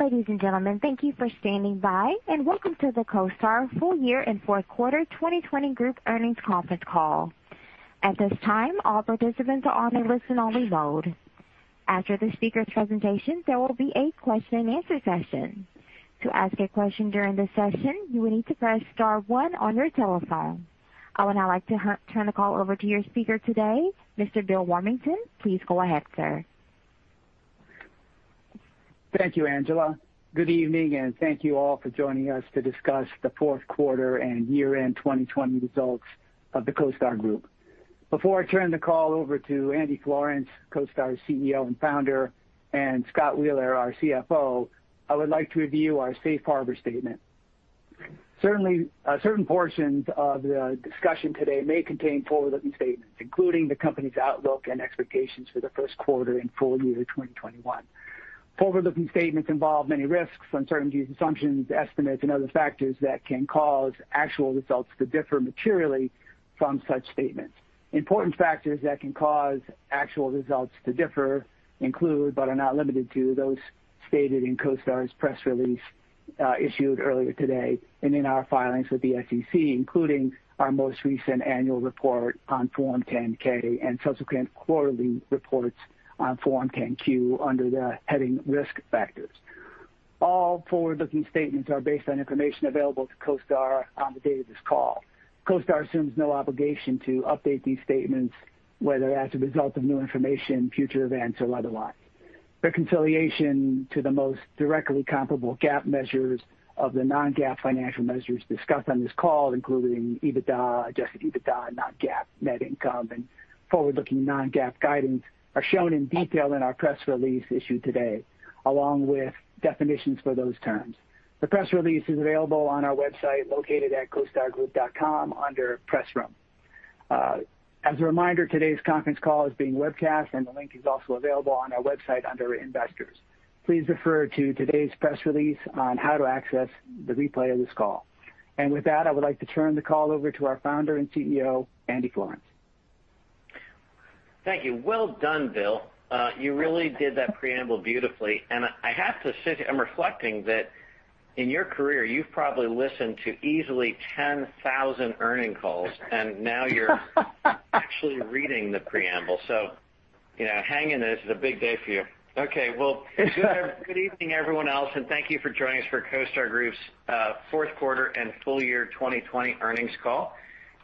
Ladies and gentlemen, thank you for standing by, and welcome to the CoStar Full Year and Fourth Quarter 2020 Group Earnings Conference Call. At this time, all participants are on a listen-only mode. After the speaker's presentation, there will be a question and answer session. To ask a question during this session, you will need to press star one on your telephone. I would now like to turn the call over to your speaker today, Mr. Bill Warmington. Please go ahead, sir. Thank you, Angela. Good evening, and thank you all for joining us to discuss the fourth quarter and year-end 2020 results of the CoStar Group. Before I turn the call over to Andy Florance, CoStar CEO and Founder, and Scott Wheeler, our CFO, I would like to review our safe harbor statement. Certain portions of the discussion today may contain forward-looking statements, including the company's outlook and expectations for the first quarter and full year 2021. Forward-looking statements involve many risks, uncertainties, assumptions, estimates, and other factors that can cause actual results to differ materially from such statements. Important factors that can cause actual results to differ include, but are not limited to, those stated in CoStar's press release issued earlier today and in our filings with the SEC, including our most recent annual report on Form 10-K and subsequent quarterly reports on Form 10-Q under the heading Risk Factors. All forward-looking statements are based on information available to CoStar on the date of this call. CoStar assumes no obligation to update these statements, whether as a result of new information, future events, or otherwise. Reconciliation to the most directly comparable GAAP measures of the non-GAAP financial measures discussed on this call, including EBITDA, adjusted EBITDA, non-GAAP net income, and forward-looking non-GAAP guidance, are shown in detail in our press release issued today, along with definitions for those terms. The press release is available on our website located at costargroup.com under Press Room. As a reminder, today's conference call is being webcast and the link is also available on our website under Investors. Please refer to today's press release on how to access the replay of this call. With that, I would like to turn the call over to our Founder and CEO, Andy Florance. Thank you. Well done, Bill. You really did that preamble beautifully. I have to say, I'm reflecting that in your career, you've probably listened to easily 10,000 earnings calls, and now you're actually reading the preamble. Yeah, hang in there. This is a big day for you. Okay, well. Good evening, everyone else, and thank you for joining us for CoStar Group's fourth quarter and full year 2020 earnings call.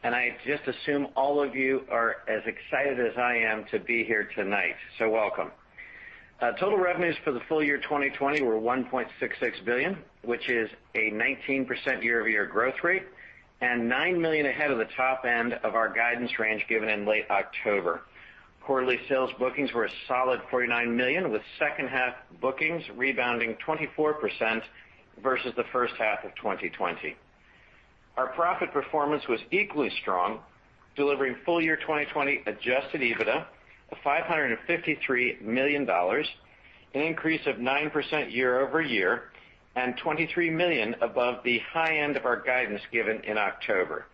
I just assume all of you are as excited as I am to be here tonight, so welcome. Total revenues for the full year 2020 were $1.66 billion, which is a 19% year-over-year growth rate and $9 million ahead of the top end of our guidance range given in late October. Quarterly sales bookings were a solid $49 million, with second half bookings rebounding 24% versus the first half of 2020. Our profit performance was equally strong, delivering full year 2020 adjusted EBITDA of $553 million, an increase of 9% year-over-year and $23 million above the high end of our guidance given in October.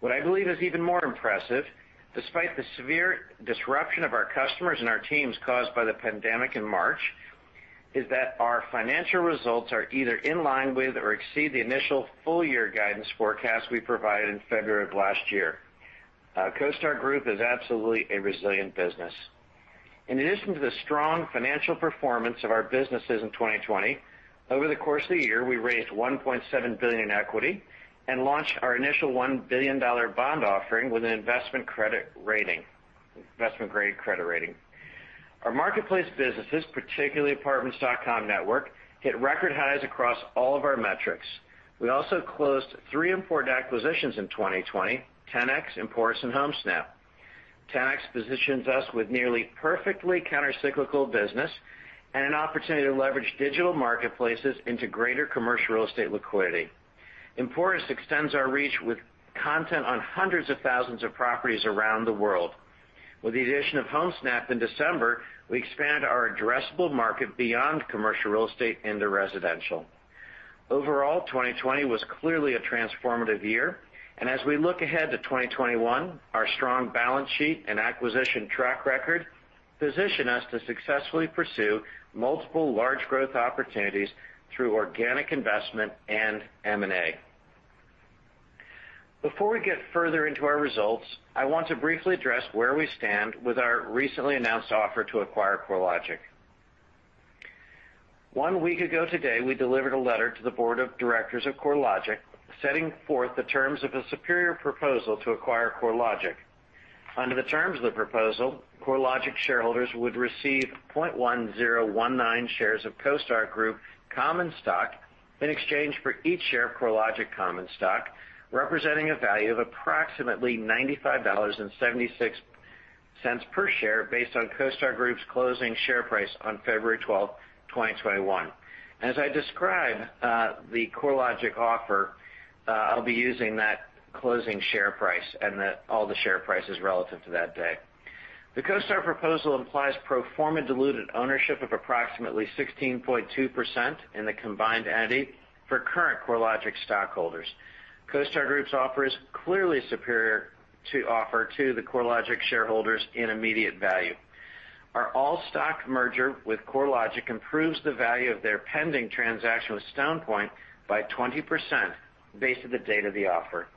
What I believe is even more impressive, despite the severe disruption of our customers and our teams caused by the pandemic in March, is that our financial results are either in line with or exceed the initial full year guidance forecast we provided in February of last year. Our CoStar Group is absolutely a resilient business. In addition to the strong financial performance of our businesses in 2020, over the course of the year, we raised $1.7 billion in equity and launched our initial $1 billion bond offering with an investment credit rating, investment-grade credit rating. Our marketplace businesses, particularly Apartments.com network, hit record highs across all of our metrics. We also closed three important acquisitions in 2020, Ten-X, Emporis, and Homesnap. Ten-X positions us with nearly perfectly countercyclical business and an opportunity to leverage digital marketplaces into greater commercial real estate liquidity. Emporis extends our reach with content on hundreds of thousands of properties around the world. With the addition of Homesnap in December, we expand our addressable market beyond commercial real estate into residential. Overall, 2020 was clearly a transformative year. As we look ahead to 2021, our strong balance sheet and acquisition track record position us to successfully pursue multiple large growth opportunities through organic investment and M&A. Before we get further into our results, I want to briefly address where we stand with our recently announced offer to acquire CoreLogic. One week ago today, we delivered a letter to the board of directors of CoreLogic, setting forth the terms of a superior proposal to acquire CoreLogic. Under the terms of the proposal, CoreLogic shareholders would receive 0.1019 shares of CoStar Group common stock in exchange for each share of CoreLogic common stock, representing a value of approximately $95.76 per share based on CoStar Group's closing share price on February 12th, 2021. As I describe the CoreLogic offer, I'll be using that closing share price and all the share prices relative to that day. The CoStar proposal implies pro forma diluted ownership of approximately 16.2% in the combined entity for current CoreLogic stockholders. CoStar Group's offer is clearly superior to the CoreLogic shareholders in immediate value. Our all-stock merger with CoreLogic improves the value of their pending transaction with Stone Point by 20% based on the date of the offer.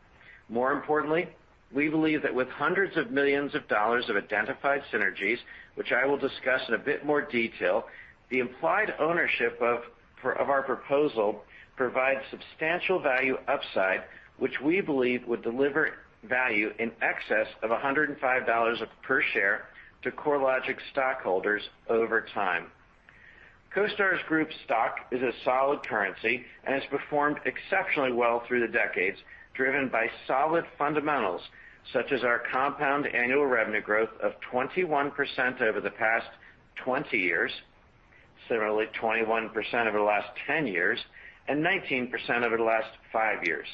More importantly, we believe that with hundreds of millions of dollars of identified synergies, which I will discuss in a bit more detail, the implied ownership of our proposal provides substantial value upside, which we believe would deliver value in excess of $105 per share to CoreLogic stockholders over time. CoStar Group's stock is a solid currency and has performed exceptionally well through the decades, driven by solid fundamentals such as our compound annual revenue growth of 21% over the past 20 years, similarly 21% over the last 10 years, and 19% over the last five years.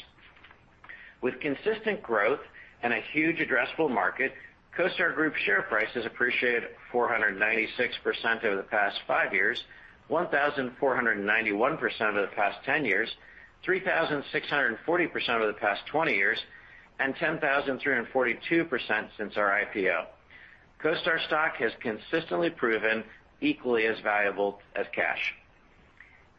With consistent growth and a huge addressable market, CoStar Group's share price has appreciated 496% over the past five years, 1,491% over the past 10 years, 3,640% over the past 20 years, and 10,342% since our IPO. CoStar stock has consistently proven equally as valuable as cash.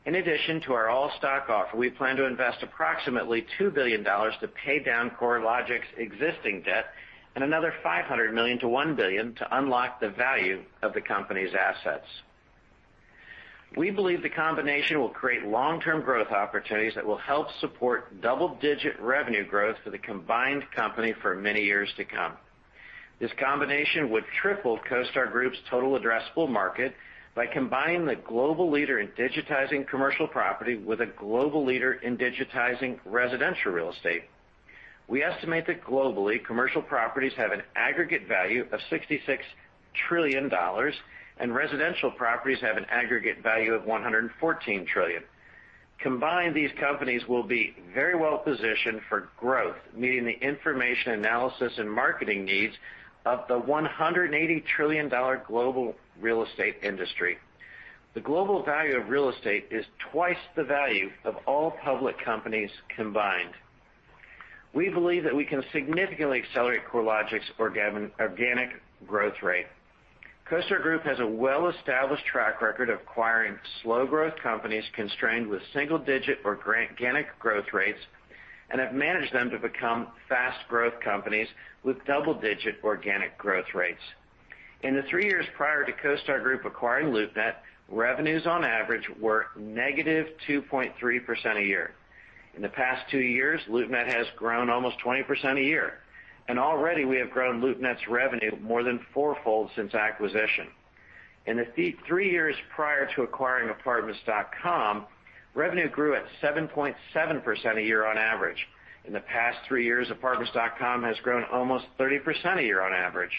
In addition to our all-stock offer, we plan to invest approximately $2 billion to pay down CoreLogic's existing debt and another $500 million-$1 billion to unlock the value of the company's assets. We believe the combination will create long-term growth opportunities that will help support double-digit revenue growth for the combined company for many years to come. This combination would triple CoStar Group's total addressable market by combining the global leader in digitizing commercial property with a global leader in digitizing residential real estate. We estimate that globally, commercial properties have an aggregate value of $66 trillion, and residential properties have an aggregate value of $114 trillion. Combined, these companies will be very well-positioned for growth, meeting the information analysis and marketing needs of the $180 trillion global real estate industry. The global value of real estate is twice the value of all public companies combined. We believe that we can significantly accelerate CoreLogic's organic growth rate. CoStar Group has a well-established track record of acquiring slow-growth companies constrained with single-digit organic growth rates and have managed them to become fast-growth companies with double-digit organic growth rates. In the three years prior to CoStar Group acquiring LoopNet, revenues on average were -2.3% a year. In the past two years, LoopNet has grown almost 20% a year. Already, we have grown LoopNet's revenue more than fourfold since acquisition. In the three years prior to acquiring Apartments.com, revenue grew at 7.7% a year on average. In the past three years, Apartments.com has grown almost 30% a year on average.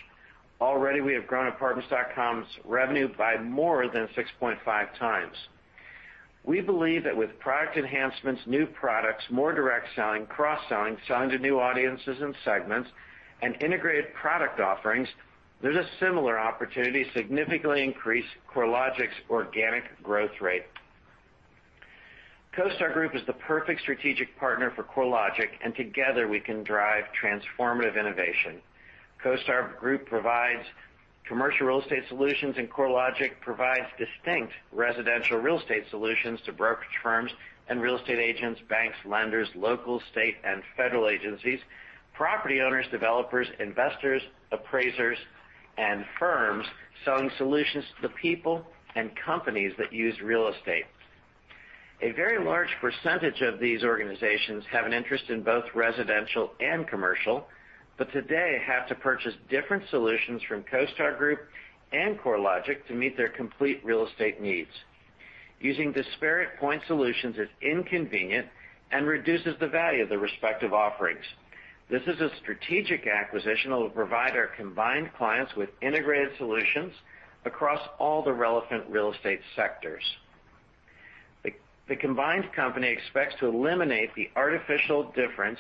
Already, we have grown Apartments.com's revenue by more than 6.5x. We believe that with product enhancements, new products, more direct selling, cross-selling, selling to new audiences and segments, and integrated product offerings, there's a similar opportunity to significantly increase CoreLogic's organic growth rate. CoStar Group is the perfect strategic partner for CoreLogic, and together, we can drive transformative innovation. CoStar Group provides commercial real estate solutions, and CoreLogic provides distinct residential real estate solutions to brokerage firms and real estate agents, banks, lenders, local, state, and federal agencies, property owners, developers, investors, appraisers, and firms selling solutions to the people and companies that use real estate. A very large percentage of these organizations have an interest in both residential and commercial, but today have to purchase different solutions from CoStar Group and CoreLogic to meet their complete real estate needs. Using disparate point solutions is inconvenient and reduces the value of the respective offerings. This is a strategic acquisition that will provide our combined clients with integrated solutions across all the relevant real estate sectors. The combined company expects to eliminate the artificial difference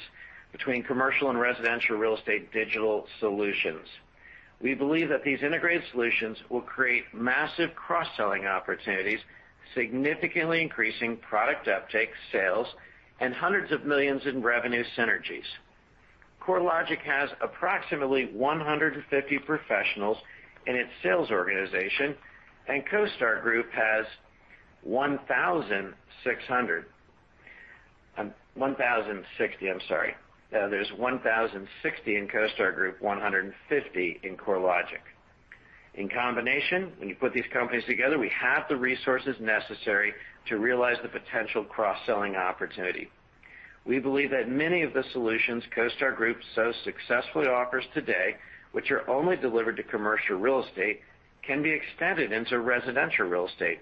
between commercial and residential real estate digital solutions. We believe that these integrated solutions will create massive cross-selling opportunities, significantly increasing product uptake, sales, and hundreds of millions in revenue synergies. CoreLogic has approximately 150 professionals in its sales organization, and CoStar Group has 1,600, 1,060, I'm sorry. There's 1,060 in CoStar Group, 150 in CoreLogic. In combination, when you put these companies together, we have the resources necessary to realize the potential cross-selling opportunity. We believe that many of the solutions CoStar Group so successfully offers today, which are only delivered to commercial real estate, can be extended into residential real estate.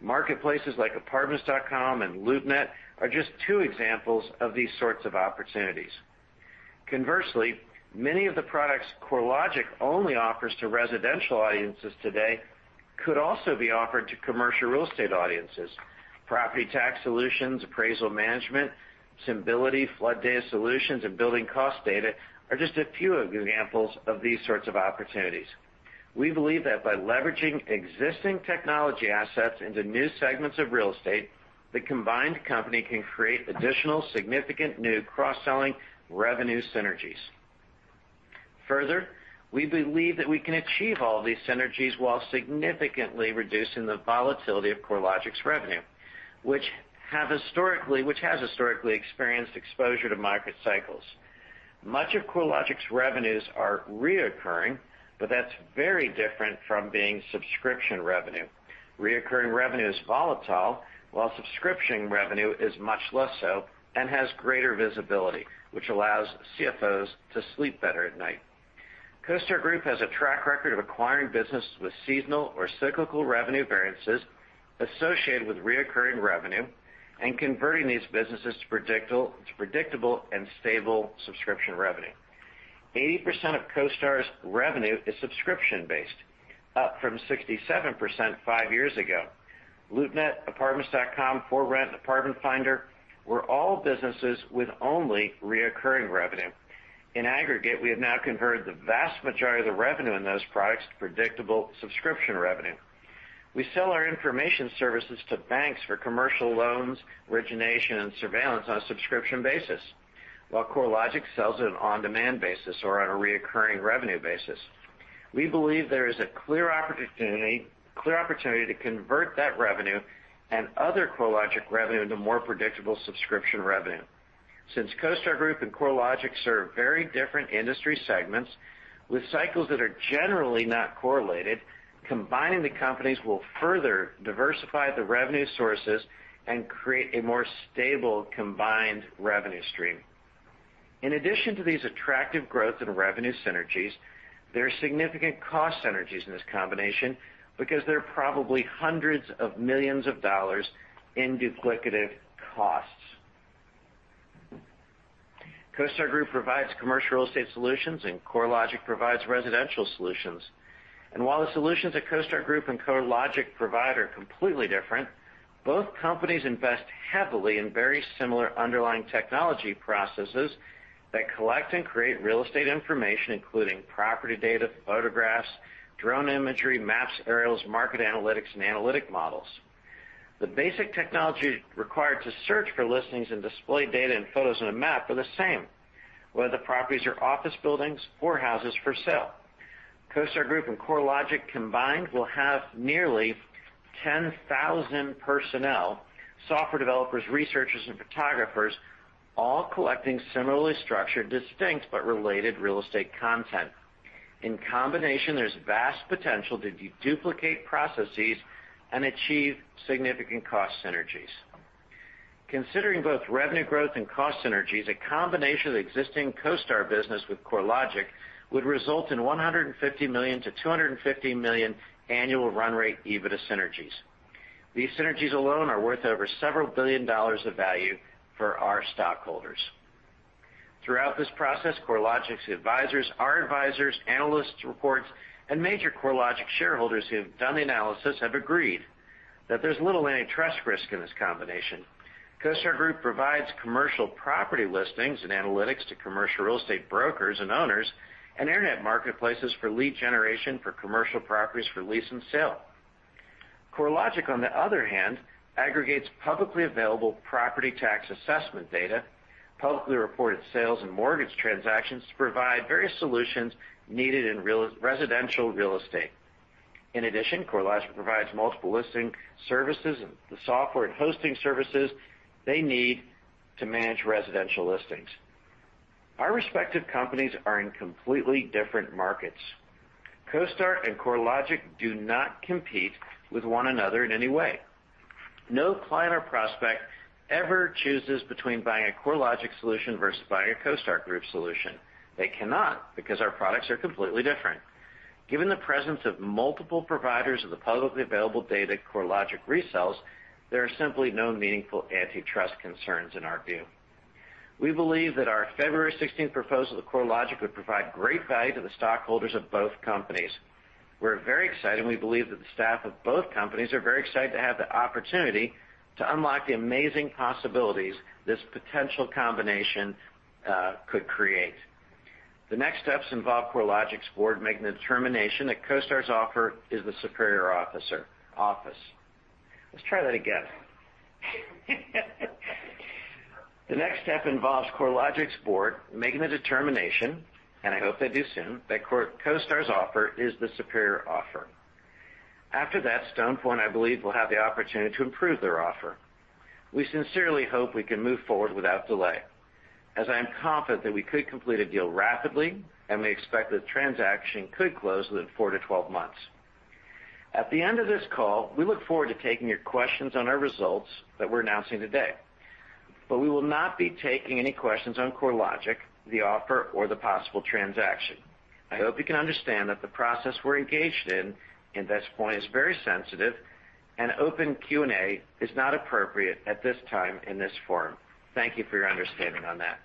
Marketplaces like Apartments.com and LoopNet are just two examples of these sorts of opportunities. Conversely, many of the products CoreLogic only offers to residential audiences today could also be offered to commercial real estate audiences. Property tax solutions, appraisal management, Symbility, flood data solutions, and building cost data are just a few examples of these sorts of opportunities. We believe that by leveraging existing technology assets into new segments of real estate, the combined company can create additional significant new cross-selling revenue synergies. Further, we believe that we can achieve all these synergies while significantly reducing the volatility of CoreLogic's revenue, which has historically experienced exposure to market cycles. Much of CoreLogic's revenues are reoccurring, but that's very different from being subscription revenue. Reoccurring revenue is volatile, while subscription revenue is much less so and has greater visibility, which allows CFOs to sleep better at night. CoStar Group has a track record of acquiring businesses with seasonal or cyclical revenue variances associated with recurring revenue and converting these businesses to predictable and stable subscription revenue. 80% of CoStar's revenue is subscription-based, up from 67% five years ago. LoopNet, Apartments.com, ForRent, Apartment Finder were all businesses with only recurring revenue. In aggregate, we have now converted the vast majority of the revenue in those products to predictable subscription revenue. We sell our information services to banks for commercial loans, origination, and surveillance on a subscription basis, while CoreLogic sells it on an on-demand basis or on a recurring revenue basis. We believe there is a clear opportunity to convert that revenue and other CoreLogic revenue into more predictable subscription revenue. Since CoStar Group and CoreLogic serve very different industry segments with cycles that are generally not correlated, combining the companies will further diversify the revenue sources and create a more stable combined revenue stream. In addition to these attractive growth in revenue synergies, there are significant cost synergies in this combination because there are probably hundreds of millions of dollars in duplicative costs. CoStar Group provides commercial real estate solutions, CoreLogic provides residential solutions. While the solutions that CoStar Group and CoreLogic provide are completely different, both companies invest heavily in very similar underlying technology processes that collect and create real estate information, including property data, photographs, drone imagery, maps, aerials, market analytics, and analytic models. The basic technology required to search for listings and display data and photos on a map are the same, whether the properties are office buildings or houses for sale. CoStar Group and CoreLogic combined will have nearly 10,000 personnel, software developers, researchers, and photographers, all collecting similarly structured, distinct, but related real estate content. In combination, there's vast potential to de-duplicate processes and achieve significant cost synergies. Considering both revenue growth and cost synergies, a combination of the existing CoStar business with CoreLogic would result in $150 million-$250 million annual run rate EBITDA synergies. These synergies alone are worth over several billion dollars of value for our stockholders. Throughout this process, CoreLogic's advisors, our advisors, analysts' reports, and major CoreLogic shareholders who have done the analysis have agreed that there's little antitrust risk in this combination. CoStar Group provides commercial property listings and analytics to commercial real estate brokers and owners and internet marketplaces for lead generation for commercial properties for lease and sale. CoreLogic, on the other hand, aggregates publicly available property tax assessment data, publicly reported sales and mortgage transactions to provide various solutions needed in residential real estate. In addition, CoreLogic provides multiple listing services and the software and hosting services they need to manage residential listings. Our respective companies are in completely different markets. CoStar and CoreLogic do not compete with one another in any way. No client or prospect ever chooses between buying a CoreLogic solution versus buying a CoStar Group solution. They cannot, because our products are completely different. Given the presence of multiple providers of the publicly available data CoreLogic resells, there are simply no meaningful antitrust concerns in our view. We believe that our February 16th proposal to CoreLogic would provide great value to the stockholders of both companies. We're very excited, and we believe that the staff of both companies are very excited to have the opportunity to unlock the amazing possibilities this potential combination could create. The next steps involve CoreLogic's board making the determination that CoStar's offer is the superior offer. Let's try that again. The next step involves CoreLogic's board making the determination, and I hope they do soon, that CoStar's offer is the superior offer. After that, Stone Point, I believe, will have the opportunity to improve their offer. We sincerely hope we can move forward without delay, as I am confident that we could complete a deal rapidly, and we expect the transaction could close within 4-12 months. At the end of this call, we look forward to taking your questions on our results that we're announcing today. We will not be taking any questions on CoreLogic, the offer, or the possible transaction. I hope you can understand that the process we're engaged in at this point is very sensitive, and open Q&A is not appropriate at this time in this forum. Thank you for your understanding on that.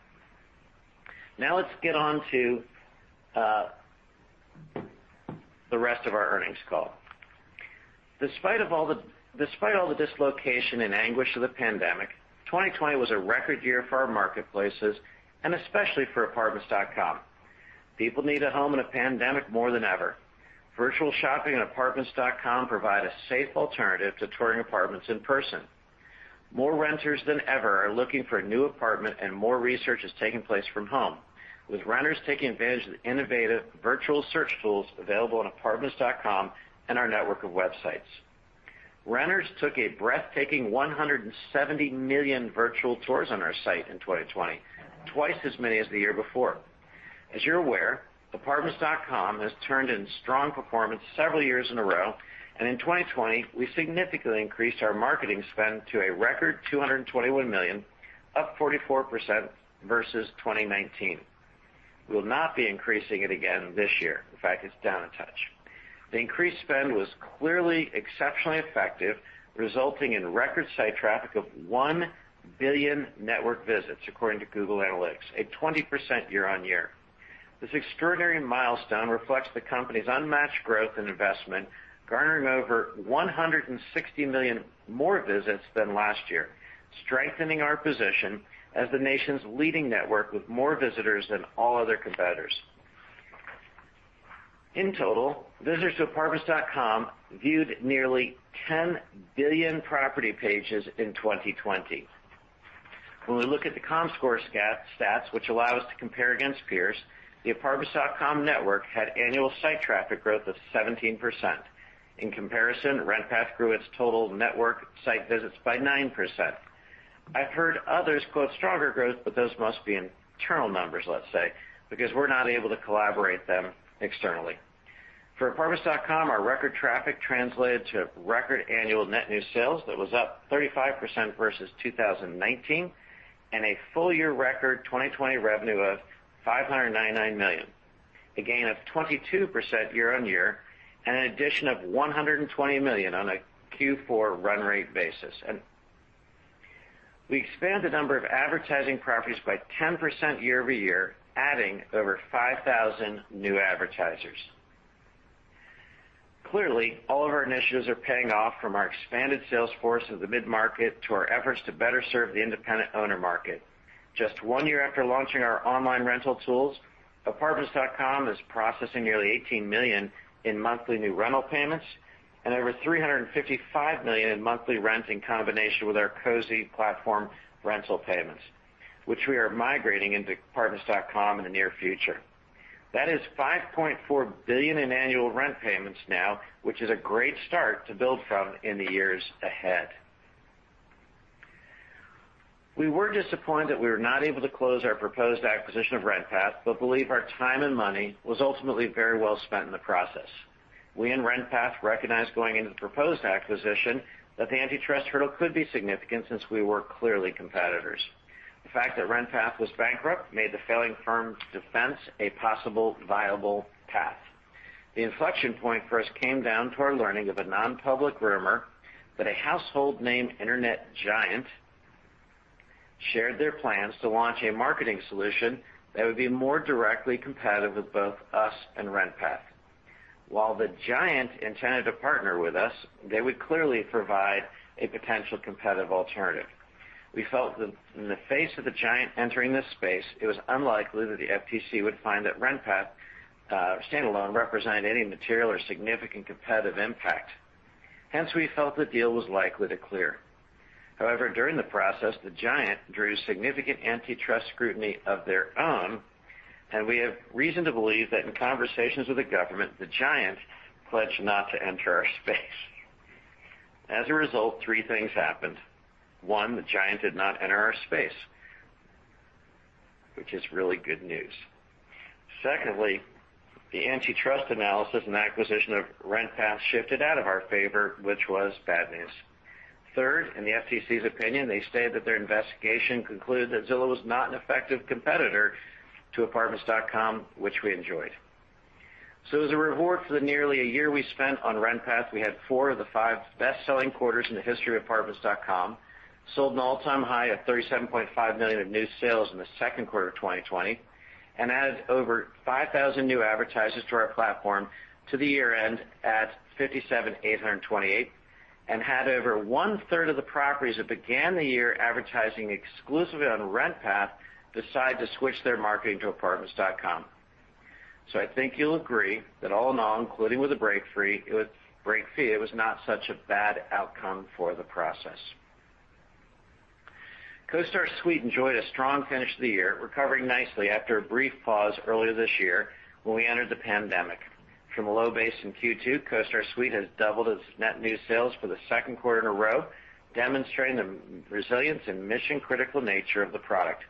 Now let's get on to the rest of our earnings call. Despite all the dislocation and anguish of the pandemic, 2020 was a record year for our marketplaces and especially for Apartments.com. People need a home in a pandemic more than ever. Virtual shopping and Apartments.com provide a safe alternative to touring apartments in person. More renters than ever are looking for a new apartment, and more research is taking place from home, with renters taking advantage of the innovative virtual search tools available on Apartments.com and our network of websites. Renters took a breathtaking 170 million virtual tours on our site in 2020, twice as many as the year before. As you're aware, apartments.com has turned in strong performance several years in a row, and in 2020, we significantly increased our marketing spend to a record $221 million, up 44% versus 2019. We will not be increasing it again this year. In fact, it's down a touch. The increased spend was clearly exceptionally effective, resulting in record site traffic of 1 billion network visits, according to Google Analytics, a 20% year-over-year. This extraordinary milestone reflects the company's unmatched growth and investment, garnering over 160 million more visits than last year, strengthening our position as the nation's leading network with more visitors than all other competitors. In total, visitors to Apartments.com viewed nearly 10 billion property pages in 2020. When we look at the Comscore stats, which allow us to compare against peers, the Apartments.com network had annual site traffic growth of 17%. In comparison, RentPath grew its total network site visits by 9%. I've heard others quote stronger growth, but those must be internal numbers, let's say, because we're not able to collaborate them externally. For Apartments.com, our record traffic translated to record annual net new sales that was up 35% versus 2019, and a full year record 2020 revenue of $599 million, a gain of 22% year-over-year, and an addition of $120 million on a Q4 run rate basis. We expanded the number of advertising properties by 10% year-over-year, adding over 5,000 new advertisers. Clearly, all of our initiatives are paying off, from our expanded sales force in the mid-market, to our efforts to better serve the independent owner market. Just one year after launching our online rental tools, Apartments.com is processing nearly $18 million in monthly new rental payments and over $355 million in monthly rent in combination with our Cozy platform rental payments, which we are migrating into Apartments.com in the near future. That is $5.4 billion in annual rent payments now, which is a great start to build from in the years ahead. We were disappointed we were not able to close our proposed acquisition of RentPath, but believe our time and money was ultimately very well spent in the process. We and RentPath recognized going into the proposed acquisition that the antitrust hurdle could be significant since we were clearly competitors. The fact that RentPath was bankrupt made the failing firm's defense a possible viable path. The inflection point for us came down to our learning of a non-public rumor that a household name internet giant shared their plans to launch a marketing solution that would be more directly competitive with both us and RentPath. While the giant intended to partner with us, they would clearly provide a potential competitive alternative. We felt that in the face of the giant entering this space, it was unlikely that the FTC would find that RentPath standalone represented any material or significant competitive impact. We felt the deal was likely to clear. During the process, the giant drew significant antitrust scrutiny of their own, and we have reason to believe that in conversations with the government, the giant pledged not to enter our space. Three things happened. One, the giant did not enter our space, which is really good news. Secondly, the antitrust analysis and acquisition of RentPath shifted out of our favor, which was bad news. Third, in the FTC's opinion, they stated that their investigation concluded that Zillow was not an effective competitor to apartments.com, which we enjoyed. As a reward for the nearly a year we spent on RentPath, we had four of the five best-selling quarters in the history of Apartments.com, sold an all-time high of $37.5 million of new sales in the second quarter of 2020, and added over 5,000 new advertisers to our platform to the year-end at 57,828, and had over one-third of the properties that began the year advertising exclusively on RentPath decide to switch their marketing to Apartments.com. I think you'll agree that all in all, including with the break fee, it was not such a bad outcome for the process. CoStar Suite enjoyed a strong finish to the year, recovering nicely after a brief pause earlier this year when we entered the pandemic. From a low base in Q2, CoStar Suite has doubled its net new sales for the second quarter in a row, demonstrating the resilience and mission-critical nature of the product.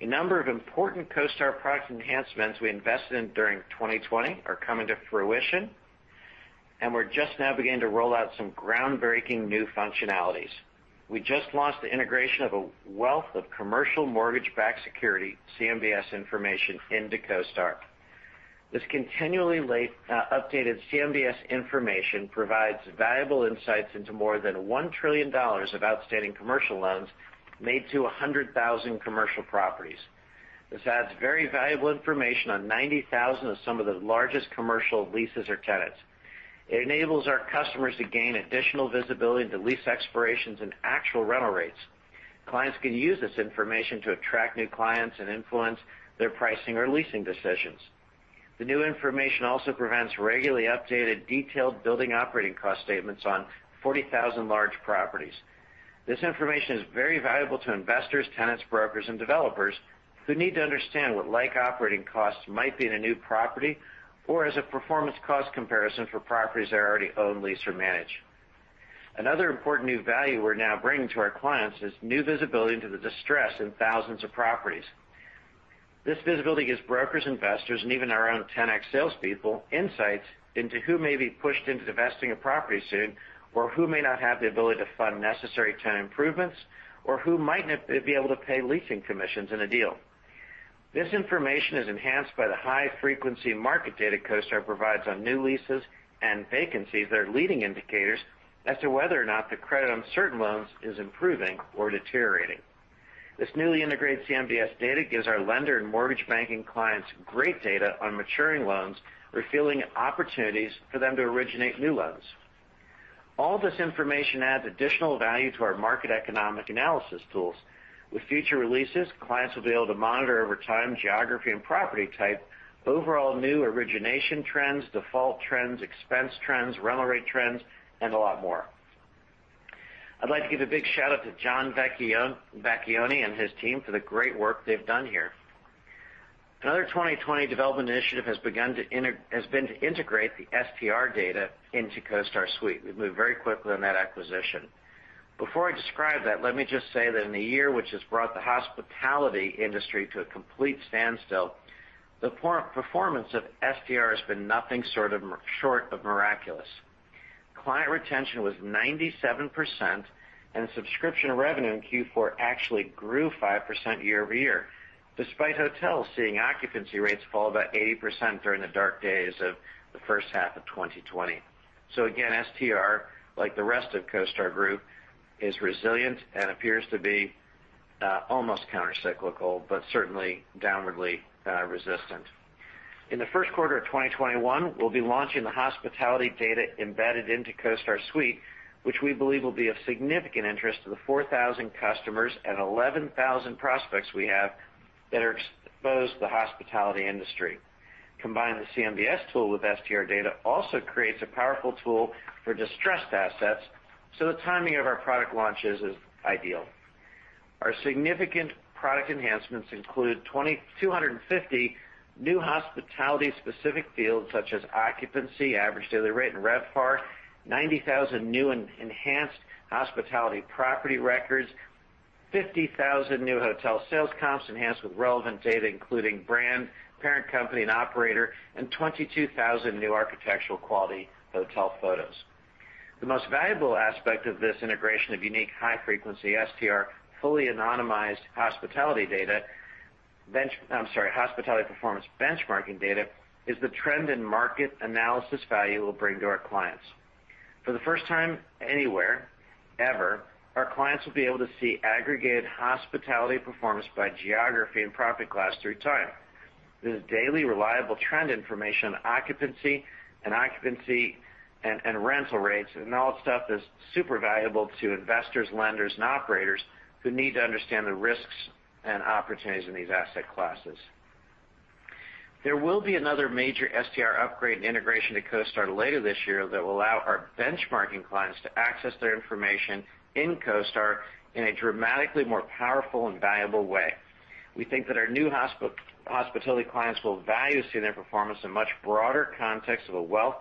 A number of important CoStar product enhancements we invested in during 2020 are coming to fruition, and we're just now beginning to roll out some groundbreaking new functionalities. We just launched the integration of a wealth of commercial mortgage-backed security, CMBS information, into CoStar. This continually updated CMBS information provides valuable insights into more than $1 trillion of outstanding commercial loans made to 100,000 commercial properties. This adds very valuable information on 90,000 of some of the largest commercial leases or tenants. It enables our customers to gain additional visibility into lease expirations and actual rental rates. Clients can use this information to attract new clients and influence their pricing or leasing decisions. The new information also presents regularly updated detailed building operating cost statements on 40,000 large properties. This information is very valuable to investors, tenants, brokers, and developers who need to understand what operating costs might be in a new property, or as a performance cost comparison for properties they already own, lease, or manage. Another important new value we're now bringing to our clients is new visibility into the distress in thousands of properties. This visibility gives brokers, investors, and even our own Ten-X salespeople insights into who may be pushed into divesting a property soon, or who may not have the ability to fund necessary tenant improvements, or who might not be able to pay leasing commissions in a deal. This information is enhanced by the high-frequency market data CoStar provides on new leases and vacancies that are leading indicators as to whether or not the credit on certain loans is improving or deteriorating. This newly integrated CMBS data gives our lender and mortgage banking clients great data on maturing loans, revealing opportunities for them to originate new loans. All this information adds additional value to our market economic analysis tools. With future releases, clients will be able to monitor over time, geography, and property type, overall new origination trends, default trends, expense trends, rental rate trends, and a lot more. I'd like to give a big shout-out to John Vecchione and his team for the great work they've done here. Another 2020 development initiative has been to integrate the STR data into CoStar Suite. We've moved very quickly on that acquisition. Before I describe that, let me just say that in the year which has brought the hospitality industry to a complete standstill, the performance of STR has been nothing short of miraculous. Client retention was 97%, and subscription revenue in Q4 actually grew 5% year-over-year, despite hotels seeing occupancy rates fall about 80% during the dark days of the first half of 2020. Again, STR, like the rest of CoStar Group, is resilient and appears to be almost counter-cyclical, but certainly downwardly resistant. In the first quarter of 2021, we'll be launching the hospitality data embedded into CoStar Suite, which we believe will be of significant interest to the 4,000 customers and 11,000 prospects we have that are exposed to the hospitality industry. Combine the CMBS tool with STR data also creates a powerful tool for distressed assets. The timing of our product launches is ideal. Our significant product enhancements include 250 new hospitality-specific fields, such as occupancy, average daily rate, and RevPAR, 90,000 new and enhanced hospitality property records, 50,000 new hotel sales comps enhanced with relevant data, including brand, parent company, and operator, and 22,000 new architectural quality hotel photos. The most valuable aspect of this integration of unique high-frequency STR fully anonymized hospitality data, hospitality performance benchmarking data, is the trend in market analysis value it will bring to our clients. For the first time anywhere, ever, our clients will be able to see aggregated hospitality performance by geography and property class through time. This is daily reliable trend information on occupancy and rental rates, and all that stuff is super valuable to investors, lenders, and operators who need to understand the risks and opportunities in these asset classes. There will be another major STR upgrade and integration to CoStar later this year that will allow our benchmarking clients to access their information in CoStar in a dramatically more powerful and valuable way. We think that our new hospitality clients will value seeing their performance in much broader context of a wealth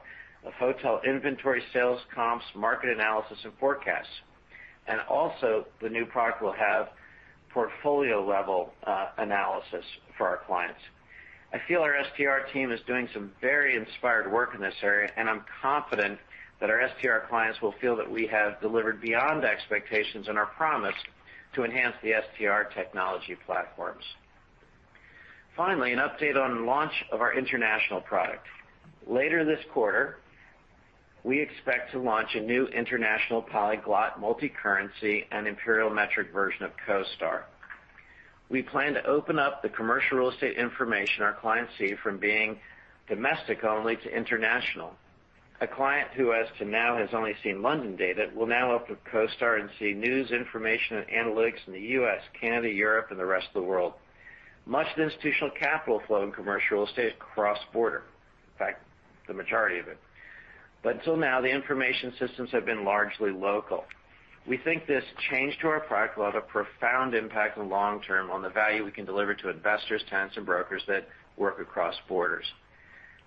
of hotel inventory, sales comps, market analysis, and forecasts. Also, the new product will have portfolio-level analysis for our clients. I feel our STR team is doing some very inspired work in this area, and I am confident that our STR clients will feel that we have delivered beyond expectations and our promise to enhance the STR technology platforms. An update on the launch of our international product. Later this quarter, we expect to launch a new international polyglot multi-currency and imperial metric version of CoStar. We plan to open up the commercial real estate information our clients see from being domestic-only to international. A client who, as to now, has only seen London data will now open up CoStar and see news, information, and analytics in the U.S., Canada, Europe, and the rest of the world. Much of the institutional capital flow in commercial real estate is cross-border. In fact, the majority of it. Until now, the information systems have been largely local. We think this change to our product will have a profound impact in the long term on the value we can deliver to investors, tenants, and brokers that work across borders.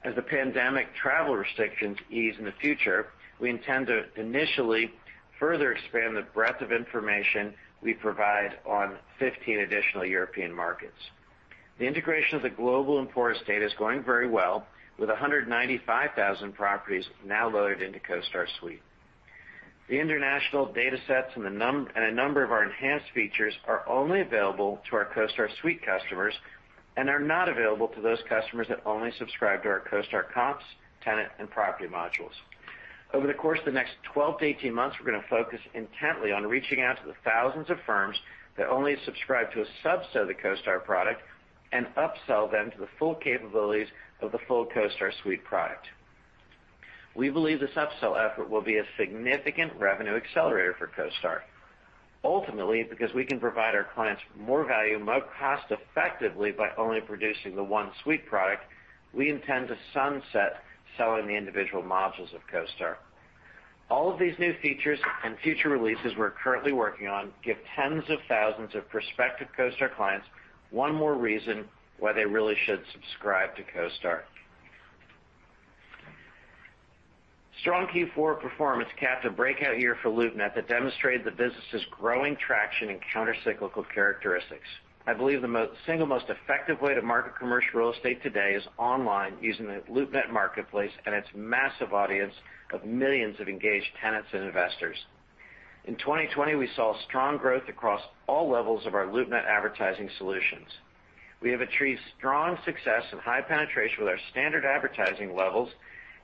As the pandemic travel restrictions ease in the future, we intend to initially further expand the breadth of information we provide on 15 additional European markets. The integration of the global and Emporis data is going very well, with 195,000 properties now loaded into CoStar Suite. The international data sets and a number of our enhanced features are only available to our CoStar Suite customers and are not available to those customers that only subscribe to our CoStar COMPS, tenant, and property modules. Over the course of the next 12-18 months, we're going to focus intently on reaching out to the thousands of firms that only subscribe to a subset of the CoStar product and upsell them to the full capabilities of the full CoStar Suite product. We believe this upsell effort will be a significant revenue accelerator for CoStar. Ultimately, because we can provide our clients more value, more cost effectively by only producing the one Suite product, we intend to sunset selling the individual modules of CoStar. All of these new features and future releases we're currently working on give tens of thousands of prospective CoStar clients one more reason why they really should subscribe to CoStar. Strong Q4 performance capped a breakout year for LoopNet that demonstrated the business's growing traction and counter-cyclical characteristics. I believe the single most effective way to market commercial real estate today is online using the LoopNet marketplace and its massive audience of millions of engaged tenants and investors. In 2020, we saw strong growth across all levels of our LoopNet advertising solutions. We have achieved strong success and high penetration with our standard advertising levels,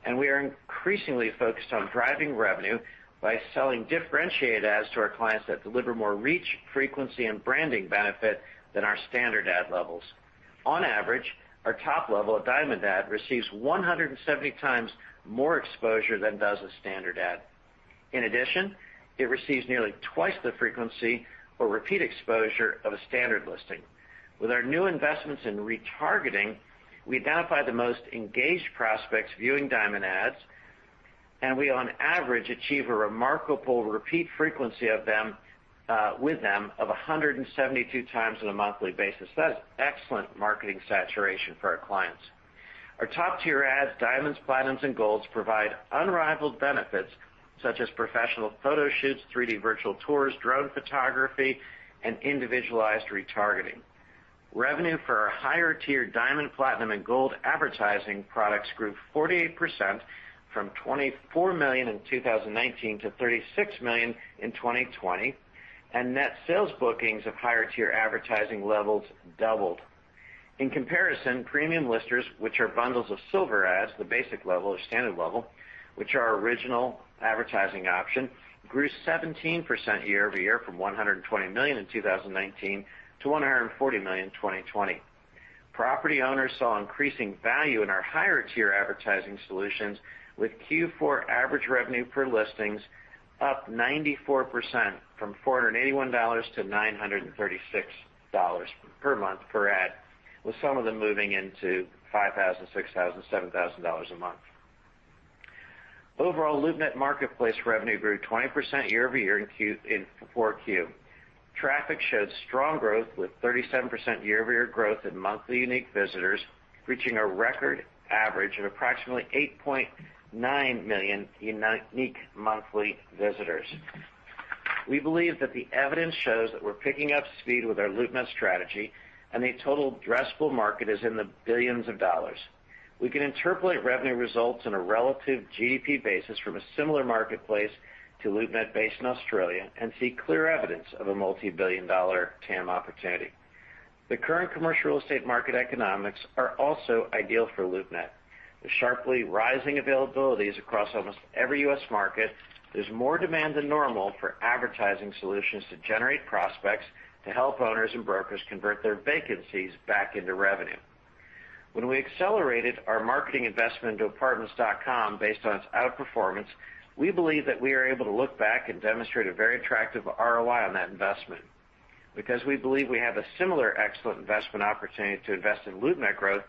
and we are increasingly focused on driving revenue by selling differentiated ads to our clients that deliver more reach, frequency, and branding benefit than our standard ad levels. On average, our top level, a diamond ad, receives 170 times more exposure than does a standard ad. In addition, it receives nearly twice the frequency or repeat exposure of a standard listing. With our new investments in retargeting, we identify the most engaged prospects viewing diamond ads, and we, on average, achieve a remarkable repeat frequency with them of 172x on a monthly basis. That is excellent marketing saturation for our clients. Our top-tier ads, diamonds, platinums, and golds, provide unrivaled benefits such as professional photo shoots, 3D virtual tours, drone photography, and individualized retargeting. Revenue for our higher-tier diamond, platinum, and gold advertising products grew 48% from $24 million in 2019 to $36 million in 2020, and net sales bookings of higher-tier advertising levels doubled. In comparison, premium listers, which are bundles of silver ads, the basic level or standard level, which are our original advertising option, grew 17% year-over-year from $120 million in 2019 to $140 million in 2020. Property owners saw increasing value in our higher-tier advertising solutions with Q4 average revenue per listings up 94% from $481-$936 per month per ad, with some of them moving into $5,000, $6,000, $7,000 a month. Overall, LoopNet marketplace revenue grew 20% year-over-year in 4Q. Traffic showed strong growth with 37% year-over-year growth in monthly unique visitors, reaching a record average of approximately 8.9 million unique monthly visitors. We believe that the evidence shows that we're picking up speed with our LoopNet strategy and the total addressable market is in the billions of dollars. We can interpolate revenue results on a relative GDP basis from a similar marketplace to LoopNet based in Australia and see clear evidence of a multi-billion-dollar TAM opportunity. The current commercial real estate market economics are also ideal for LoopNet. With sharply rising availabilities across almost every U.S. market, there's more demand than normal for advertising solutions to generate prospects to help owners and brokers convert their vacancies back into revenue. When we accelerated our marketing investment into Apartments.com based on its outperformance, we believe that we are able to look back and demonstrate a very attractive ROM on that investment. We believe we have a similar excellent investment opportunity to invest in LoopNet growth,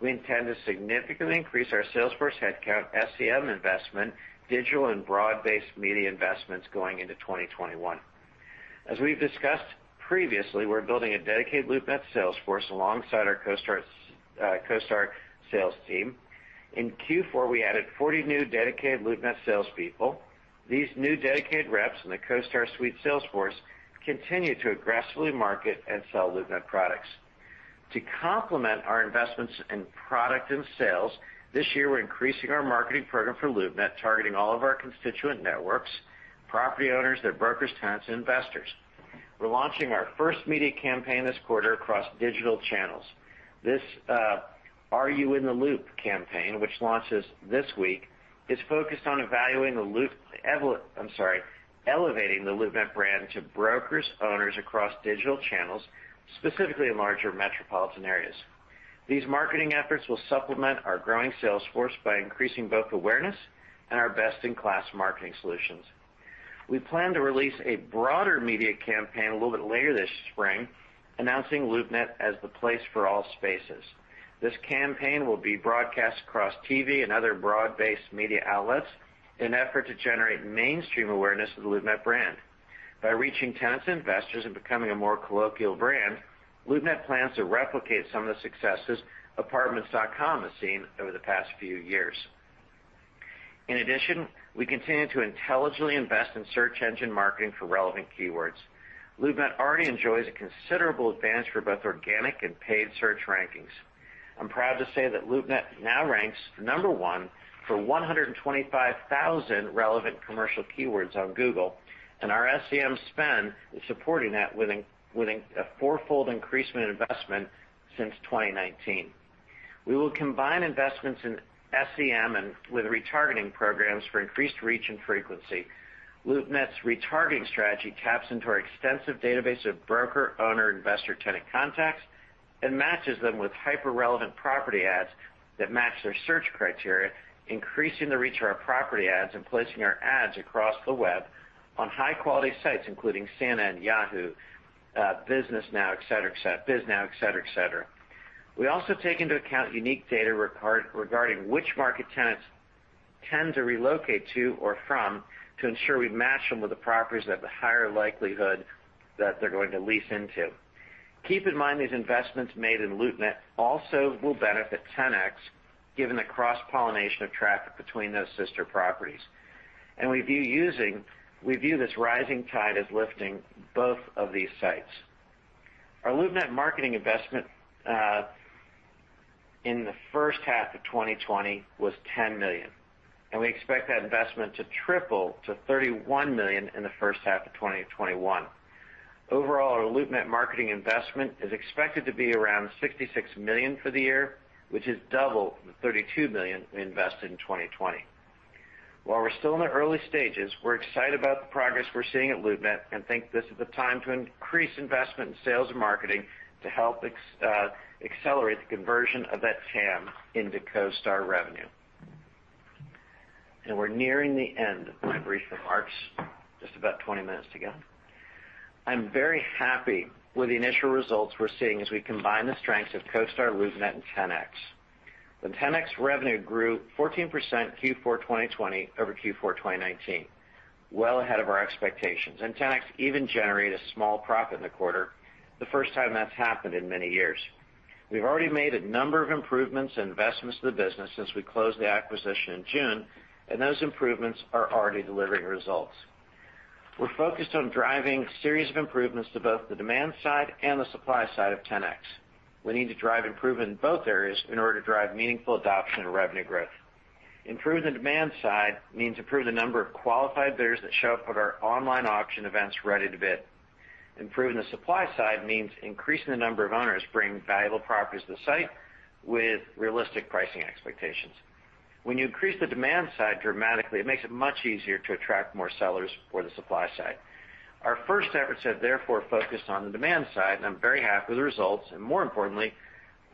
we intend to significantly increase our sales force headcount, SEM investment, digital and broad-based media investments going into 2021. As we've discussed previously, we're building a dedicated LoopNet sales force alongside our CoStar sales team. In Q4, we added 40 new dedicated LoopNet salespeople. These new dedicated reps in the CoStar Suite sales force continue to aggressively market and sell LoopNet products. To complement our investments in product and sales, this year, we're increasing our marketing program for LoopNet, targeting all of our constituent networks, property owners, their brokers, tenants, and investors. We're launching our first media campaign this quarter across digital channels. This Are You in the Loop campaign, which launches this week, is focused on elevating the LoopNet brand to brokers, owners across digital channels, specifically in larger metropolitan areas. These marketing efforts will supplement our growing sales force by increasing both awareness and our best-in-class marketing solutions. We plan to release a broader media campaign a little bit later this spring, announcing LoopNet as the place for all spaces. This campaign will be broadcast across TV and other broad-based media outlets in an effort to generate mainstream awareness of the LoopNet brand. By reaching tenants and investors and becoming a more colloquial brand, LoopNet plans to replicate some of the successes Apartments.com has seen over the past few years. In addition, we continue to intelligently invest in search engine marketing for relevant keywords. LoopNet already enjoys a considerable advantage for both organic and paid search rankings. I'm proud to say that LoopNet now ranks number one for 125,000 relevant commercial keywords on Google, and our SEM spend is supporting that with a four-fold increase in investment since 2019. We will combine investments in SEM and with retargeting programs for increased reach and frequency. LoopNet's retargeting strategy taps into our extensive database of broker, owner, investor, tenant contacts, and matches them with hyper-relevant property ads that match their search criteria, increasing the reach of our property ads and placing our ads across the web on high-quality sites, including CNN, Yahoo, [Business Now/Bisnow], et cetera. We also take into account unique data regarding which market tenants tend to relocate to or from, to ensure we match them with the properties that have the higher likelihood that they're going to lease into. Keep in mind, these investments made in LoopNet also will benefit Ten-X, given the cross-pollination of traffic between those sister properties. We view this rising tide as lifting both of these sites. Our LoopNet marketing investment in the first half of 2020 was $10 million, and we expect that investment to triple to $31 million in the first half of 2021. Overall, our LoopNet marketing investment is expected to be around $66 million for the year, which is double the $32 million we invested in 2020. While we're still in the early stages, we're excited about the progress we're seeing at LoopNet and think this is the time to increase investment in sales and marketing to help accelerate the conversion of that TAM into CoStar revenue. We're nearing the end of my brief remarks, just about 20 minutes to go. I'm very happy with the initial results we're seeing as we combine the strengths of CoStar, LoopNet and Ten-X. Ten-X revenue grew 14% Q4 2020 over Q4 2019, well ahead of our expectations, and Ten-X even generated a small profit in the quarter, the first time that's happened in many years. We've already made a number of improvements and investments to the business since we closed the acquisition in June, and those improvements are already delivering results. We're focused on driving a series of improvements to both the demand side and the supply side of Ten-X. We need to drive improvement in both areas in order to drive meaningful adoption and revenue growth. Improving the demand side means improve the number of qualified bidders that show up at our online auction events ready to bid. Improving the supply side means increasing the number of owners, bringing valuable properties to the site with realistic pricing expectations. When you increase the demand side dramatically, it makes it much easier to attract more sellers for the supply side. Our first efforts have therefore focused on the demand side, and I'm very happy with the results, and more importantly,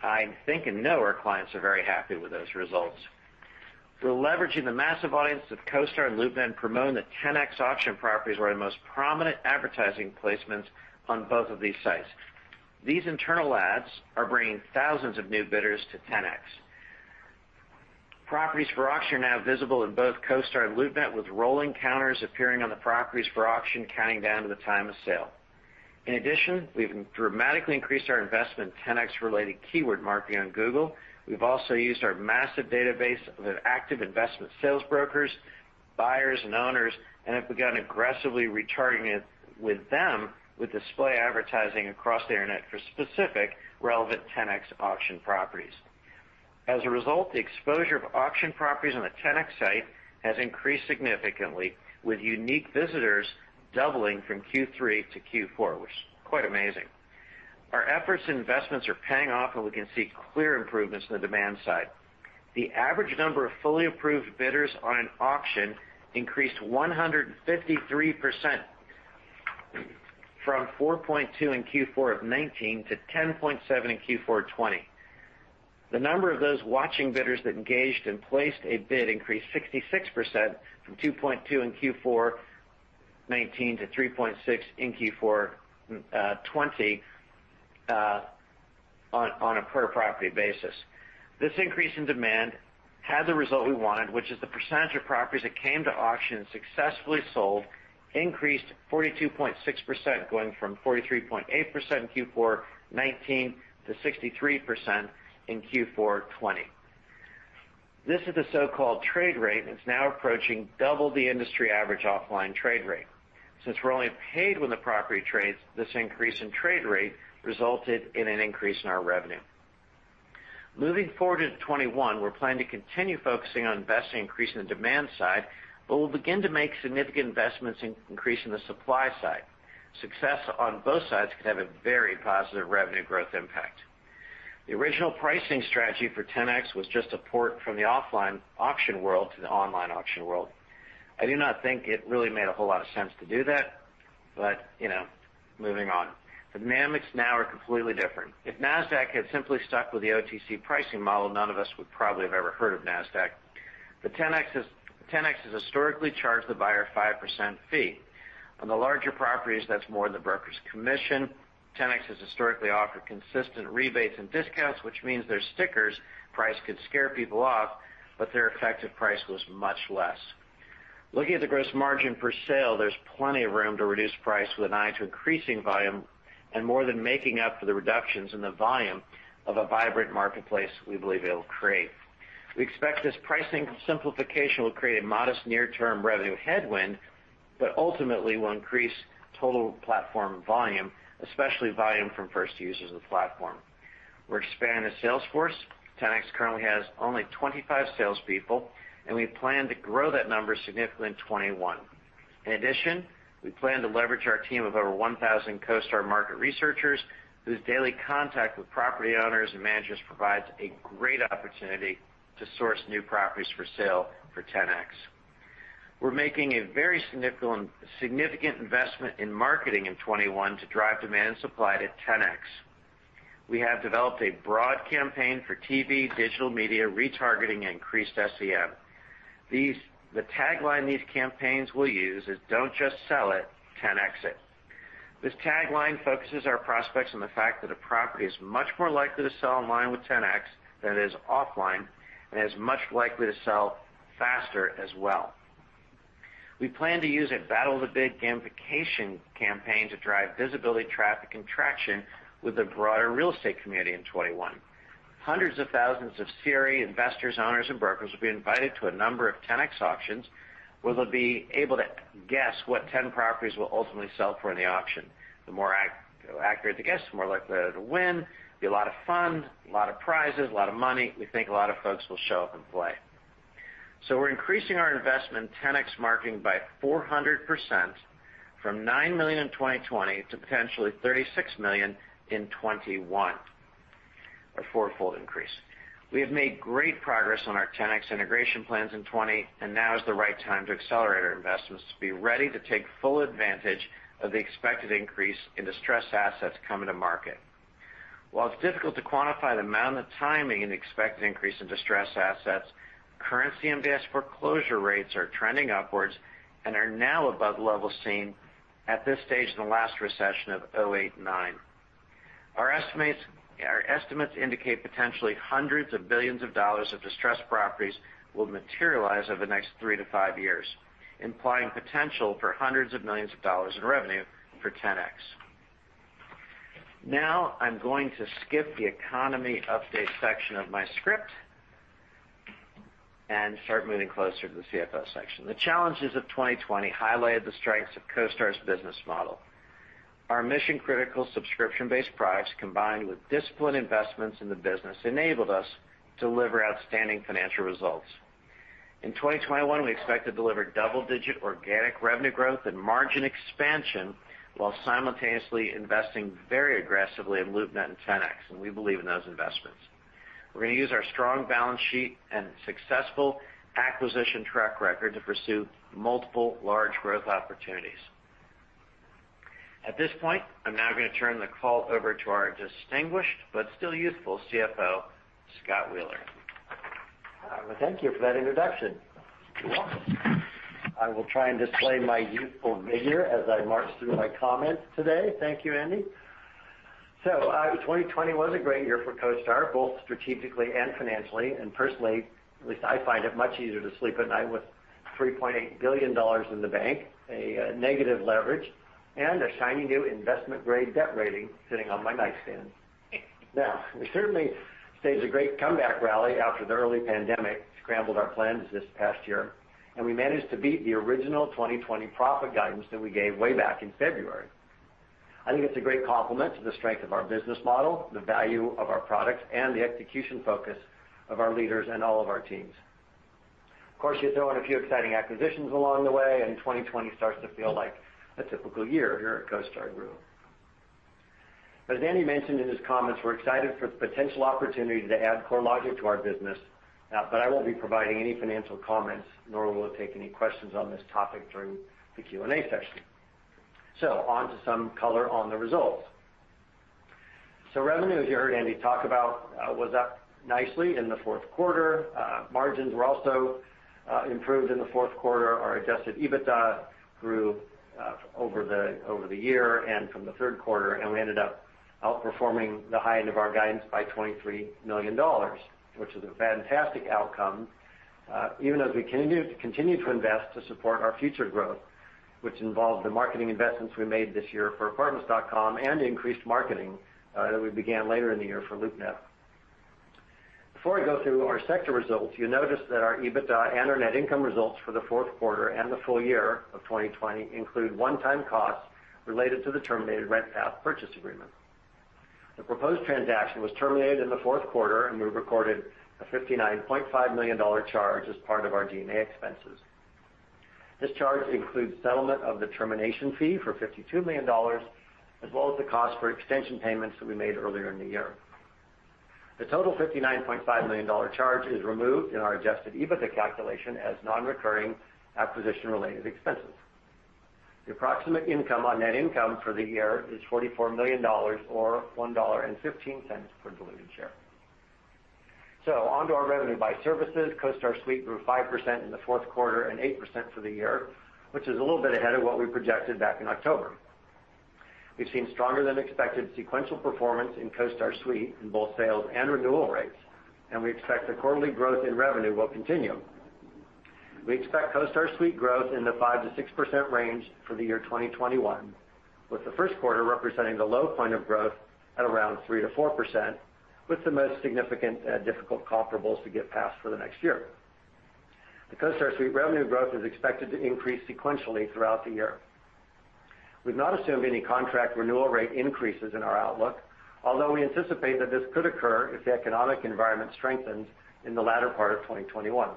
I think and know our clients are very happy with those results. We're leveraging the massive audience of CoStar and LoopNet and promoting the Ten-X auction properties are the most prominent advertising placements on both of these sites. These internal ads are bringing thousands of new bidders to Ten-X. Properties for auction are now visible in both CoStar and LoopNet, with rolling counters appearing on the properties for auction, counting down to the time of sale. In addition, we've dramatically increased our investment in Ten-X-related keyword marketing on Google. We've also used our massive database of active investment sales brokers, buyers and owners, and have begun aggressively retargeting it with them with display advertising across the internet for specific relevant Ten-X auction properties. As a result, the exposure of auction properties on the Ten-X site has increased significantly, with unique visitors doubling from Q3-Q4, which is quite amazing. Our efforts and investments are paying off, and we can see clear improvements in the demand side. The average number of fully approved bidders on an auction increased 153% from 4.2 in Q4 of 2019 to 10.7 in Q4 2020. The number of those watching bidders that engaged and placed a bid increased 66%, from 2.2 in Q4 2019 to 3.6 in Q4 2020 on a per property basis. This increase in demand had the result we wanted, which is the percentage of properties that came to auction and successfully sold increased to 42.6%, going from 43.8% in Q4 2019 to 63% in Q4 2020. This is the so-called trade rate, and it's now approaching double the industry average offline trade rate. Since we're only paid when the property trades, this increase in trade rate resulted in an increase in our revenue. Moving forward into 2021, we're planning to continue focusing on investing increase in the demand side, but we'll begin to make significant investments in increasing the supply side. Success on both sides could have a very positive revenue growth impact. The original pricing strategy for Ten-X was just a port from the offline auction world to the online auction world. I do not think it really made a whole lot of sense to do that, but moving on. The dynamics now are completely different. If NASDAQ had simply stuck with the OTC pricing model, none of us would probably have ever heard of NASDAQ. Ten-X has historically charged the buyer a 5% fee. On the larger properties, that's more than the broker's commission. Ten-X has historically offered consistent rebates and discounts, which means their stickers price could scare people off, but their effective price was much less. Looking at the gross margin per sale, there's plenty of room to reduce price with an eye to increasing volume and more than making up for the reductions in the volume of a vibrant marketplace we believe it'll create. We expect this pricing simplification will create a modest near-term revenue headwind, but ultimately will increase total platform volume, especially volume from first users of the platform. We're expanding the sales force. Ten-X currently has only 25 salespeople, and we plan to grow that number significantly in 2021. In addition, we plan to leverage our team of over 1,000 CoStar market researchers, whose daily contact with property owners and managers provides a great opportunity to source new properties for sale for Ten-X. We're making a very significant investment in marketing in 2021 to drive demand supply to Ten-X. We have developed a broad campaign for TV, digital media, retargeting, and increased SEM. The tagline these campaigns will use is, "Don't just sell it, Ten-X it." This tagline focuses our prospects on the fact that a property is much more likely to sell online with Ten-X than it is offline, and is much likely to sell faster as well. We plan to use a Battle of the Bid gamification campaign to drive visibility, traffic, and traction with the broader real estate community in 2021. Hundreds of thousands of CRE investors, owners, and brokers will be invited to a number of Ten-X auctions, where they'll be able to guess what 10 properties will ultimately sell for in the auction. The more accurate the guess, the more likely they are to win. Be a lot of fun, a lot of prizes, a lot of money. We think a lot of folks will show up and play. We're increasing our investment in Ten-X marketing by 400%, from $9 million in 2020 to potentially $36 million in 2021. A four-fold increase. We have made great progress on our Ten-X integration plans in 2020, now is the right time to accelerate our investments to be ready to take full advantage of the expected increase in distressed assets coming to market. While it's difficult to quantify the amount and timing of the expected increase in distressed assets, current CMBS foreclosure rates are trending upwards and are now above the level seen at this stage in the last recession of 2008 and 2009. Our estimates indicate potentially hundreds of billions of dollars of distressed properties will materialize over the next three to five years, implying potential for hundreds of millions of dollars in revenue for Ten-X. Now, I'm going to skip the economy update section of my script and start moving closer to the CFO section. The challenges of 2020 highlighted the strengths of CoStar's business model. Our mission-critical subscription-based products, combined with disciplined investments in the business, enabled us to deliver outstanding financial results. In 2021, we expect to deliver double-digit organic revenue growth and margin expansion, while simultaneously investing very aggressively in LoopNet and Ten-X, and we believe in those investments. We're going to use our strong balance sheet and successful acquisition track record to pursue multiple large growth opportunities. At this point, I'm now going to turn the call over to our distinguished but still youthful CFO, Scott Wheeler. Well, thank you for that introduction. You're welcome. I will try and display my youthful vigor as I march through my comments today. Thank you, Andy. 2020 was a great year for CoStar, both strategically and financially, and personally. At least I find it much easier to sleep at night with $3.8 billion in the bank, a negative leverage, and a shiny new investment-grade debt rating sitting on my nightstand. We certainly staged a great comeback rally after the early pandemic scrambled our plans this past year, and we managed to beat the original 2020 profit guidance that we gave way back in February. I think it's a great compliment to the strength of our business model, the value of our products, and the execution focus of our leaders and all of our teams. You throw in a few exciting acquisitions along the way, and 2020 starts to feel like a typical year here at CoStar Group. As Andy mentioned in his comments, we're excited for the potential opportunity to add CoreLogic to our business. I won't be providing any financial comments, nor will I take any questions on this topic during the Q&A session. On to some color on the results. Revenue, as you heard Andy talk about, was up nicely in the fourth quarter. Margins were also improved in the fourth quarter. Our adjusted EBITDA grew over the year and from the third quarter, and we ended up outperforming the high end of our guidance by $23 million, which is a fantastic outcome, even as we continue to invest to support our future growth, which involved the marketing investments we made this year for apartments.com and the increased marketing that we began later in the year for LoopNet. Before I go through our sector results, you'll notice that our EBITDA and our net income results for the fourth quarter and the full year of 2020 include one-time costs related to the terminated RentPath purchase agreement. The proposed transaction was terminated in the fourth quarter, and we've recorded a $59.5 million charge as part of our G&A expenses. This charge includes settlement of the termination fee for $52 million, as well as the cost for extension payments that we made earlier in the year. The total $59.5 million charge is removed in our adjusted EBITDA calculation as non-recurring acquisition-related expenses. The approximate income on net income for the year is $44 million, or $1.15 per diluted share. On to our revenue by services. CoStar Suite grew 5% in the fourth quarter and 8% for the year, which is a little bit ahead of what we projected back in October. We've seen stronger than expected sequential performance in CoStar Suite in both sales and renewal rates, and we expect the quarterly growth in revenue will continue. We expect CoStar Suite growth in the 5%-6% range for the year 2021, with the first quarter representing the low point of growth at around 3%-4%, with the most significant difficult comparables to get past for the next year. The CoStar Suite revenue growth is expected to increase sequentially throughout the year. We've not assumed any contract renewal rate increases in our outlook, although we anticipate that this could occur if the economic environment strengthens in the latter part of 2021.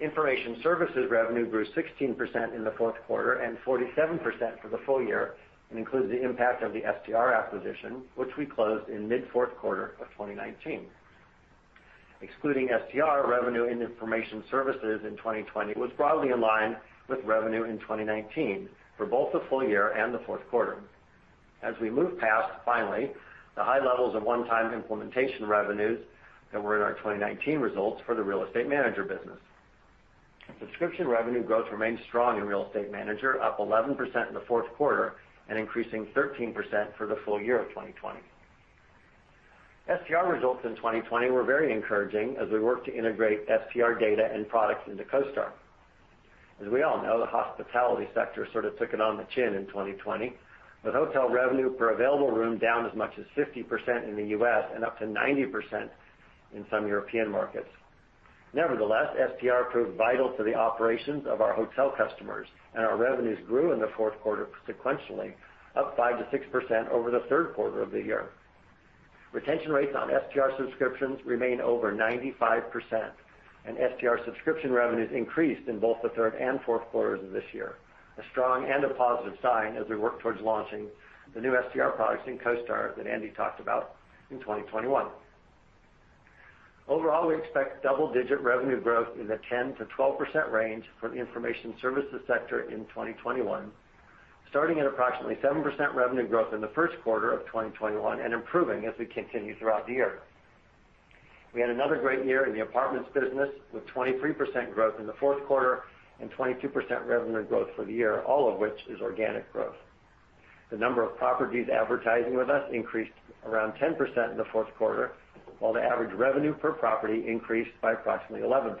Information services revenue grew 16% in the fourth quarter and 47% for the full year, and includes the impact of the STR acquisition, which we closed in mid fourth quarter of 2019. Excluding STR, revenue in information services in 2020 was broadly in line with revenue in 2019 for both the full year and the fourth quarter as we move past, finally, the high levels of one-time implementation revenues that were in our 2019 results for the Real Estate Manager business. Subscription revenue growth remained strong in Real Estate Manager, up 11% in the fourth quarter and increasing 13% for the full year of 2020. STR results in 2020 were very encouraging as we worked to integrate STR data and products into CoStar. As we all know, the hospitality sector sort of took it on the chin in 2020, with hotel revenue per available room down as much as 50% in the U.S. and up to 90% in some European markets. Nevertheless, STR proved vital to the operations of our hotel customers, and our revenues grew in the fourth quarter sequentially, up 5%-6% over the third quarter of the year. Retention rates on STR subscriptions remain over 95%, and STR subscription revenues increased in both the third and fourth quarters of this year, a strong and a positive sign as we work towards launching the new STR products in CoStar that Andy talked about in 2021. Overall, we expect double-digit revenue growth in the 10%-12% range for the information services sector in 2021, starting at approximately 7% revenue growth in the first quarter of 2021 and improving as we continue throughout the year. We had another great year in the apartments business, with 23% growth in the fourth quarter and 22% revenue growth for the year, all of which is organic growth. The number of properties advertising with us increased around 10% in the fourth quarter, while the average revenue per property increased by approximately 11%.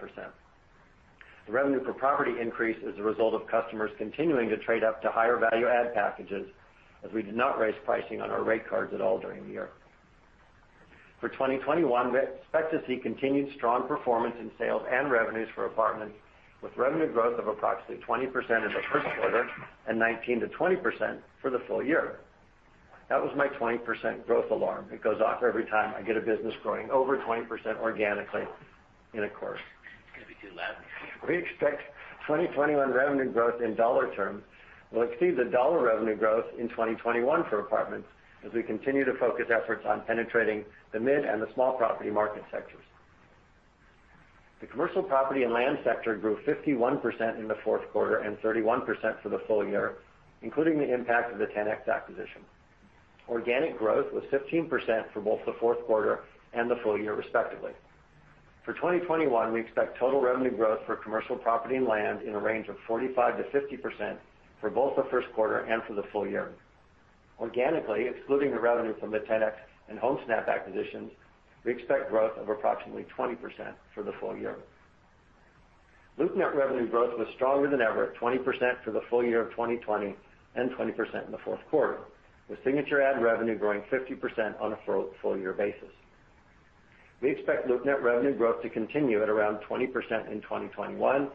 The revenue per property increase is a result of customers continuing to trade up to higher value add packages, as we did not raise pricing on our rate cards at all during the year. For 2021, we expect to see continued strong performance in sales and revenues for apartments, with revenue growth of approximately 20% in the first quarter and 19%-20% for the full year. That was my 20% growth alarm. It goes off every time I get a business growing over 20% organically in a quarter. It's going to be too loud. We expect 2021 revenue growth in dollar terms will exceed the dollar revenue growth in 2021 for apartments as we continue to focus efforts on penetrating the mid and the small property market sectors. The commercial property and land sector grew 51% in the fourth quarter and 31% for the full year, including the impact of the Ten-X acquisition. Organic growth was 15% for both the fourth quarter and the full year respectively. For 2021, we expect total revenue growth for commercial property and land in the range of 45%-50% for both the first quarter and for the full year. Organically, excluding the revenue from the Ten-X and Homesnap acquisitions, we expect growth of approximately 20% for the full year. LoopNet revenue growth was stronger than ever at 20% for the full year of 2020 and 20% in the fourth quarter, with signature ad revenue growing 50% on a full year basis. We expect LoopNet revenue growth to continue at around 20% in 2021,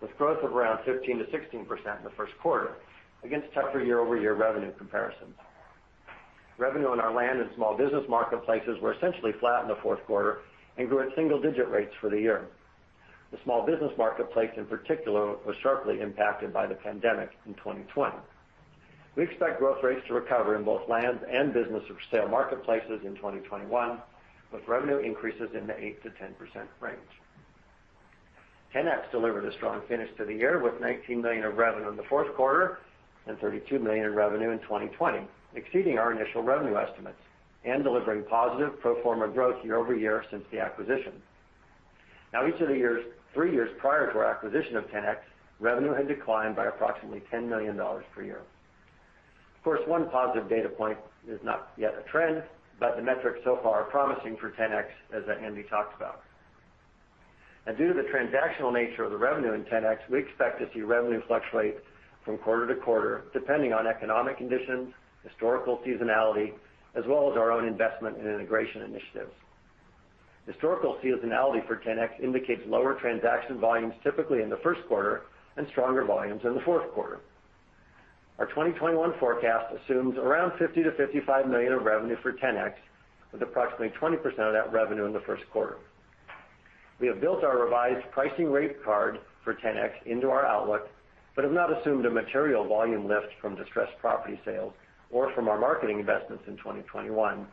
with growth of around 15%-16% in the first quarter against tougher year-over-year revenue comparisons. Revenue in our land and small business marketplaces were essentially flat in the fourth quarter and grew at single-digit rates for the year. The small business marketplace in particular was sharply impacted by the pandemic in 2020. We expect growth rates to recover in both land and business-for-sale marketplaces in 2021, with revenue increases in the 8%-10% range. Ten-X delivered a strong finish to the year with $19 million of revenue in the fourth quarter and $32 million in revenue in 2020, exceeding our initial revenue estimates and delivering positive pro forma growth year-over-year since the acquisition. Each of the three years prior to our acquisition of Ten-X, revenue had declined by approximately $10 million per year. Of course, one positive data point is not yet a trend, but the metrics so far are promising for Ten-X, as Andy talked about. Due to the transactional nature of the revenue in Ten-X, we expect to see revenue fluctuate from quarter to quarter, depending on economic conditions, historical seasonality, as well as our own investment in integration initiatives. Historical seasonality for Ten-X indicates lower transaction volumes typically in the first quarter and stronger volumes in the fourth quarter. Our 2021 forecast assumes around $50 million-$55 million of revenue for Ten-X, with approximately 20% of that revenue in the first quarter. We have built our revised pricing rate card for Ten-X into our outlook, but have not assumed a material volume lift from distressed property sales or from our marketing investments in 2021,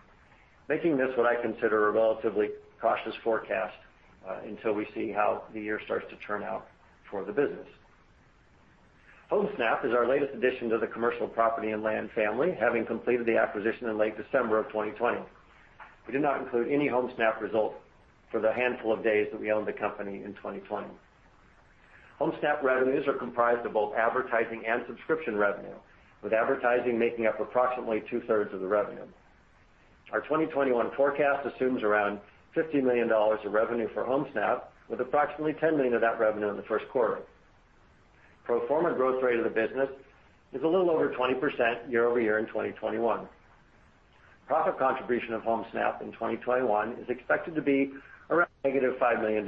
making this what I consider a relatively cautious forecast until we see how the year starts to turn out for the business. Homesnap is our latest addition to the commercial property and land family, having completed the acquisition in late December of 2020. We do not include any Homesnap results for the handful of days that we owned the company in 2020. Homesnap revenues are comprised of both advertising and subscription revenue, with advertising making up approximately 2/3 of the revenue. Our 2021 forecast assumes around $50 million of revenue for Homesnap, with approximately $10 million of that revenue in the first quarter. Pro forma growth rate of the business is a little over 20% year-over-year in 2021. Profit contribution of Homesnap in 2021 is expected to be around negative $5 million.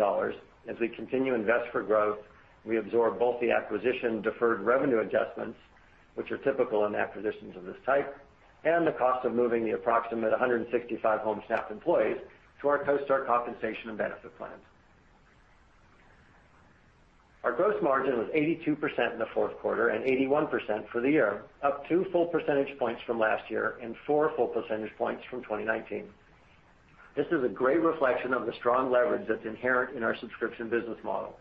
As we continue to invest for growth, we absorb both the acquisition deferred revenue adjustments, which are typical in acquisitions of this type, and the cost of moving the approximate 165 Homesnap employees to our CoStar compensation and benefit plans. Our gross margin was 82% in the fourth quarter and 81% for the year, up two full percentage points from last year and four full percentage points from 2019. This is a great reflection of the strong leverage that's inherent in our subscription business model.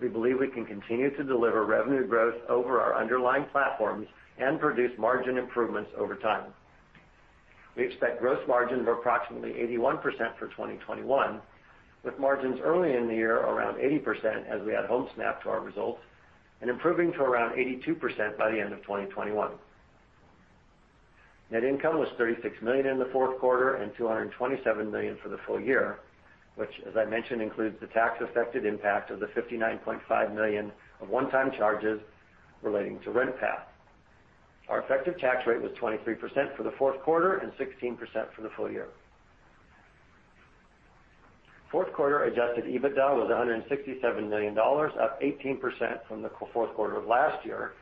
We believe we can continue to deliver revenue growth over our underlying platforms and produce margin improvements over time. We expect gross margins of approximately 81% for 2021, with margins early in the year around 80% as we add Homesnap to our results, and improving to around 82% by the end of 2021. Net income was $36 million in the fourth quarter and $227 million for the full year, which as I mentioned, includes the tax effective impact of the $59.5 million of one-time charges relating to RentPath. Our effective tax rate was 23% for the fourth quarter and 16% for the full year. Fourth quarter adjusted EBITDA was $167 million, up 18% from the fourth quarter of last year,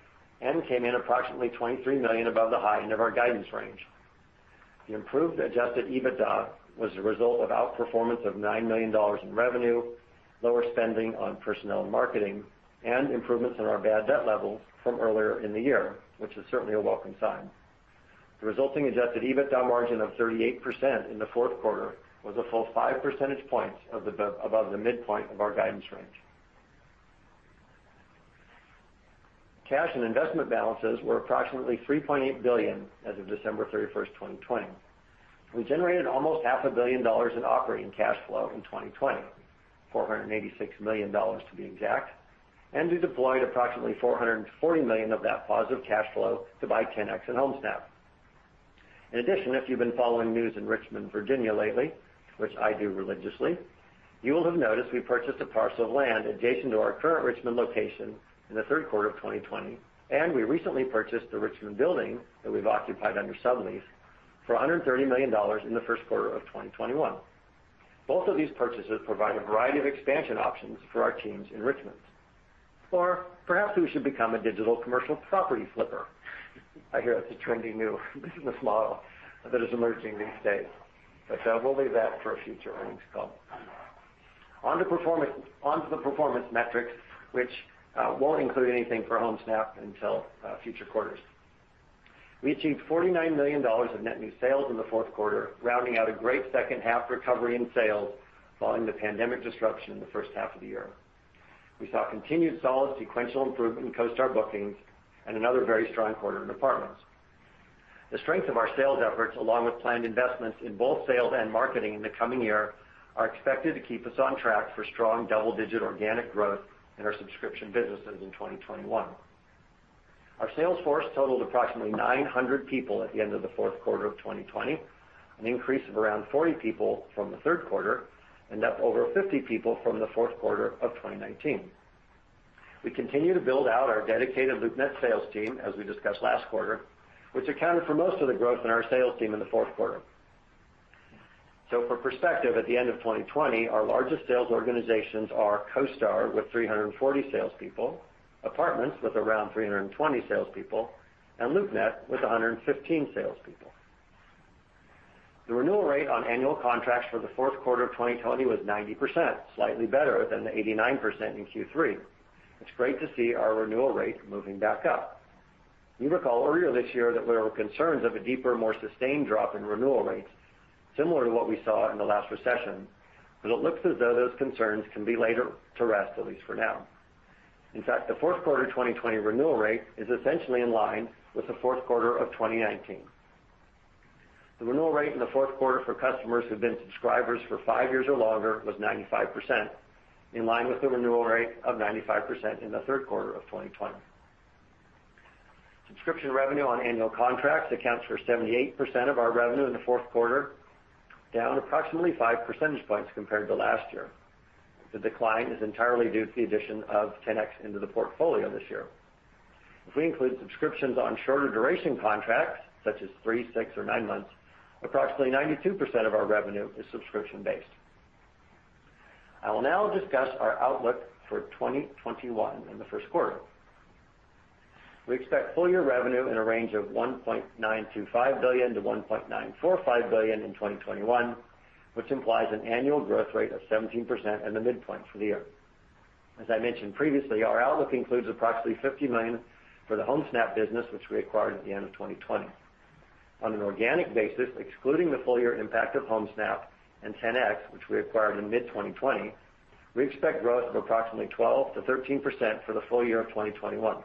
and came in approximately $23 million above the high end of our guidance range. The improved adjusted EBITDA was the result of outperformance of $9 million in revenue, lower spending on personnel and marketing, and improvements in our bad debt levels from earlier in the year, which is certainly a welcome sign. The resulting adjusted EBITDA margin of 38% in the fourth quarter was a full five percentage points above the midpoint of our guidance range. Cash and investment balances were approximately $3.8 billion as of December 31st, 2020. We generated almost half a billion dollars in operating cash flow in 2020, $486 million to be exact, and we deployed approximately $440 million of that positive cash flow to buy Ten-X and Homesnap. If you've been following news in Richmond, Virginia lately, which I do religiously, you will have noticed we purchased a parcel of land adjacent to our current Richmond location in the third quarter of 2020, and we recently purchased the Richmond building that we've occupied under sublease for $130 million in the first quarter of 2021. Both of these purchases provide a variety of expansion options for our teams in Richmond. Perhaps we should become a digital commercial property flipper. I hear that's a trendy new business model that is emerging these days, but we'll leave that for a future earnings call. On to the performance metrics, which won't include anything for Homesnap until future quarters. We achieved $49 million of net new sales in the fourth quarter, rounding out a great second-half recovery in sales following the pandemic disruption in the first half of the year. We saw continued solid sequential improvement in CoStar bookings and another very strong quarter in Apartments. The strength of our sales efforts, along with planned investments in both sales and marketing in the coming year, are expected to keep us on track for strong double-digit organic growth in our subscription businesses in 2021. Our sales force totaled approximately 900 people at the end of the fourth quarter of 2020, an increase of around 40 people from the third quarter, and up over 50 people from the fourth quarter of 2019. We continue to build out our dedicated LoopNet sales team, as we discussed last quarter, which accounted for most of the growth in our sales team in the fourth quarter. For perspective, at the end of 2020, our largest sales organizations are CoStar with 340 salespeople, Apartments with around 320 salespeople, and LoopNet with 115 salespeople. The renewal rate on annual contracts for the fourth quarter of 2020 was 90%, slightly better than the 89% in Q3. It's great to see our renewal rates moving back up. You recall earlier this year that there were concerns of a deeper, more sustained drop in renewal rates, similar to what we saw in the last recession. It looks as though those concerns can be laid to rest, at least for now. In fact, the fourth quarter 2020 renewal rate is essentially in line with the fourth quarter of 2019. The renewal rate in the fourth quarter for customers who have been subscribers for five years or longer was 95%, in line with the renewal rate of 95% in the third quarter of 2020. Subscription revenue on annual contracts accounts for 78% of our revenue in the fourth quarter, down approximately five percentage points compared to last year. The decline is entirely due to the addition of Ten-X into the portfolio this year. If we include subscriptions on shorter duration contracts such as three, six or nine months, approximately 92% of our revenue is subscription-based. I will now discuss our outlook for 2021 and the first quarter. We expect full year revenue in a range of $1.925 billion-$1.945 billion in 2021, which implies an annual growth rate of 17% in the midpoint for the year. As I mentioned previously, our outlook includes approximately $50 million for the Homesnap business, which we acquired at the end of 2020. On an organic basis, excluding the full year impact of Homesnap and Ten-X, which we acquired in mid-2020, we expect growth of approximately 12%-13% for the full year of 2021.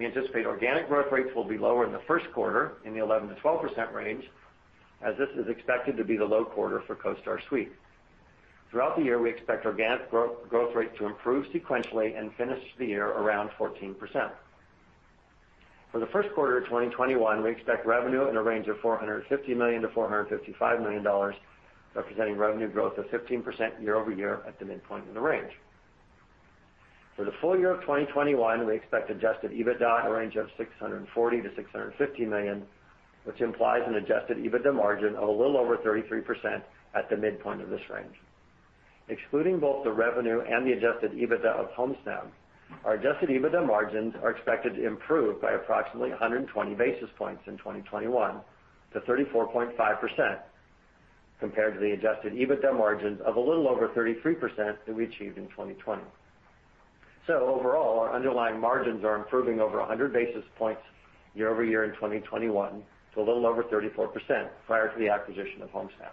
We anticipate organic growth rates will be lower in the first quarter, in the 11%-12% range, as this is expected to be the low quarter for CoStar Suite. Throughout the year, we expect organic growth rate to improve sequentially and finish the year around 14%. For the first quarter of 2021, we expect revenue in a range of $450 million-$455 million, representing revenue growth of 15% year-over-year at the midpoint in the range. For the full year of 2021, we expect adjusted EBITDA in the range of $640 million-$650 million, which implies an adjusted EBITDA margin of a little over 33% at the midpoint of this range. Excluding both the revenue and the adjusted EBITDA of Homesnap, our adjusted EBITDA margins are expected to improve by approximately 120 basis points in 2021 to 34.5%, compared to the adjusted EBITDA margins of a little over 33% that we achieved in 2020. Overall, our underlying margins are improving over 100 basis points year-over-year in 2021 to a little over 34% prior to the acquisition of Homesnap.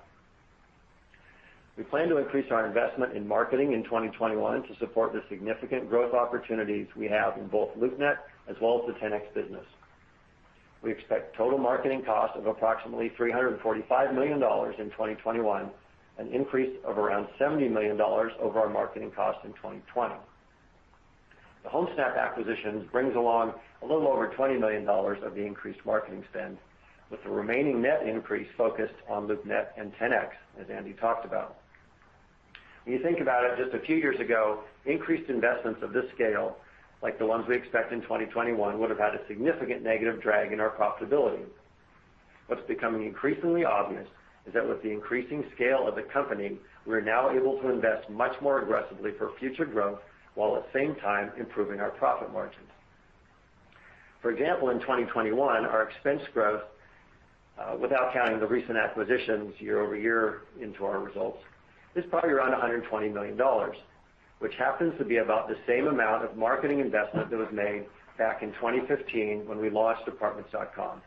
We plan to increase our investment in marketing in 2021 to support the significant growth opportunities we have in both LoopNet as well as the Ten-X business. We expect total marketing costs of approximately $345 million in 2021, an increase of around $70 million over our marketing cost in 2020. The Homesnap acquisition brings along a little over $20 million of the increased marketing spend, with the remaining net increase focused on LoopNet and Ten-X, as Andy talked about. When you think about it, just a few years ago, increased investments of this scale, like the ones we expect in 2021, would've had a significant negative drag in our profitability. What's becoming increasingly obvious is that with the increasing scale of the company, we're now able to invest much more aggressively for future growth while at the same time improving our profit margins. For example, in 2021, our expense growth, without counting the recent acquisitions year-over-year into our results, is probably around $120 million, which happens to be about the same amount of marketing investment that was made back in 2015 when we launched Apartments.com.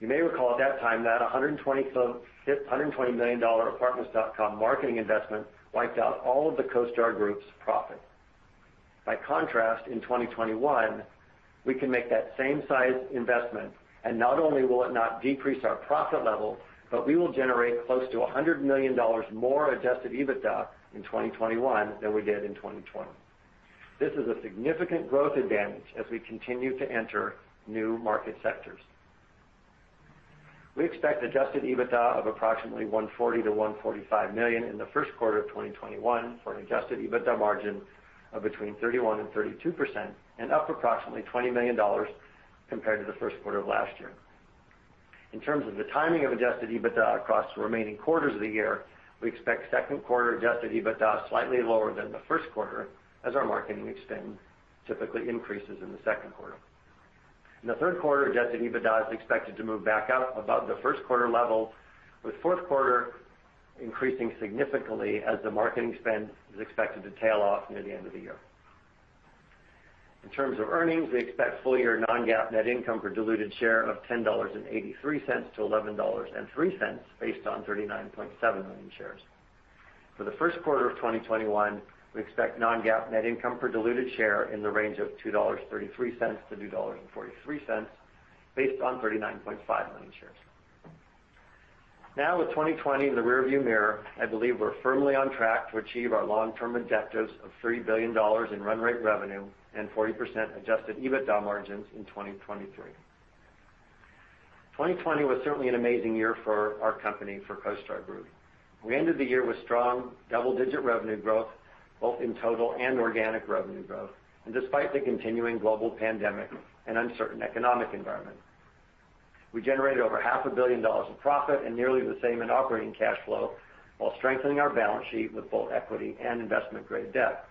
You may recall at that time that $120 million Apartments.com marketing investment wiped out all of the CoStar Group's profit. By contrast, in 2021, we can make that same size investment, and not only will it not decrease our profit level, but we will generate close to $100 million more adjusted EBITDA in 2021 than we did in 2020. This is a significant growth advantage as we continue to enter new market sectors. We expect adjusted EBITDA of approximately $140 million-$145 million in the first quarter of 2021 for an adjusted EBITDA margin of between 31% and 32%, and up approximately $20 million compared to the first quarter of last year. In terms of the timing of adjusted EBITDA across the remaining quarters of the year, we expect second quarter adjusted EBITDA slightly lower than the first quarter as our marketing spend typically increases in the second quarter. In the third quarter, adjusted EBITDA is expected to move back up above the first quarter level, with fourth quarter increasing significantly as the marketing spend is expected to tail off near the end of the year. In terms of earnings, we expect full year non-GAAP net income per diluted share of $10.83-$11.03 based on 39.7 million shares. For the first quarter of 2021, we expect non-GAAP net income per diluted share in the range of $2.33-$2.43 based on 39.5 million shares. Now with 2020 in the rearview mirror, I believe we're firmly on track to achieve our long-term objectives of $3 billion in run rate revenue and 40% adjusted EBITDA margins in 2023. 2020 was certainly an amazing year for our company, for CoStar Group. We ended the year with strong double-digit revenue growth, both in total and organic revenue growth, despite the continuing global pandemic and uncertain economic environment. We generated over $500 million in profit and nearly the same in operating cash flow while strengthening our balance sheet with both equity and investment-grade debt.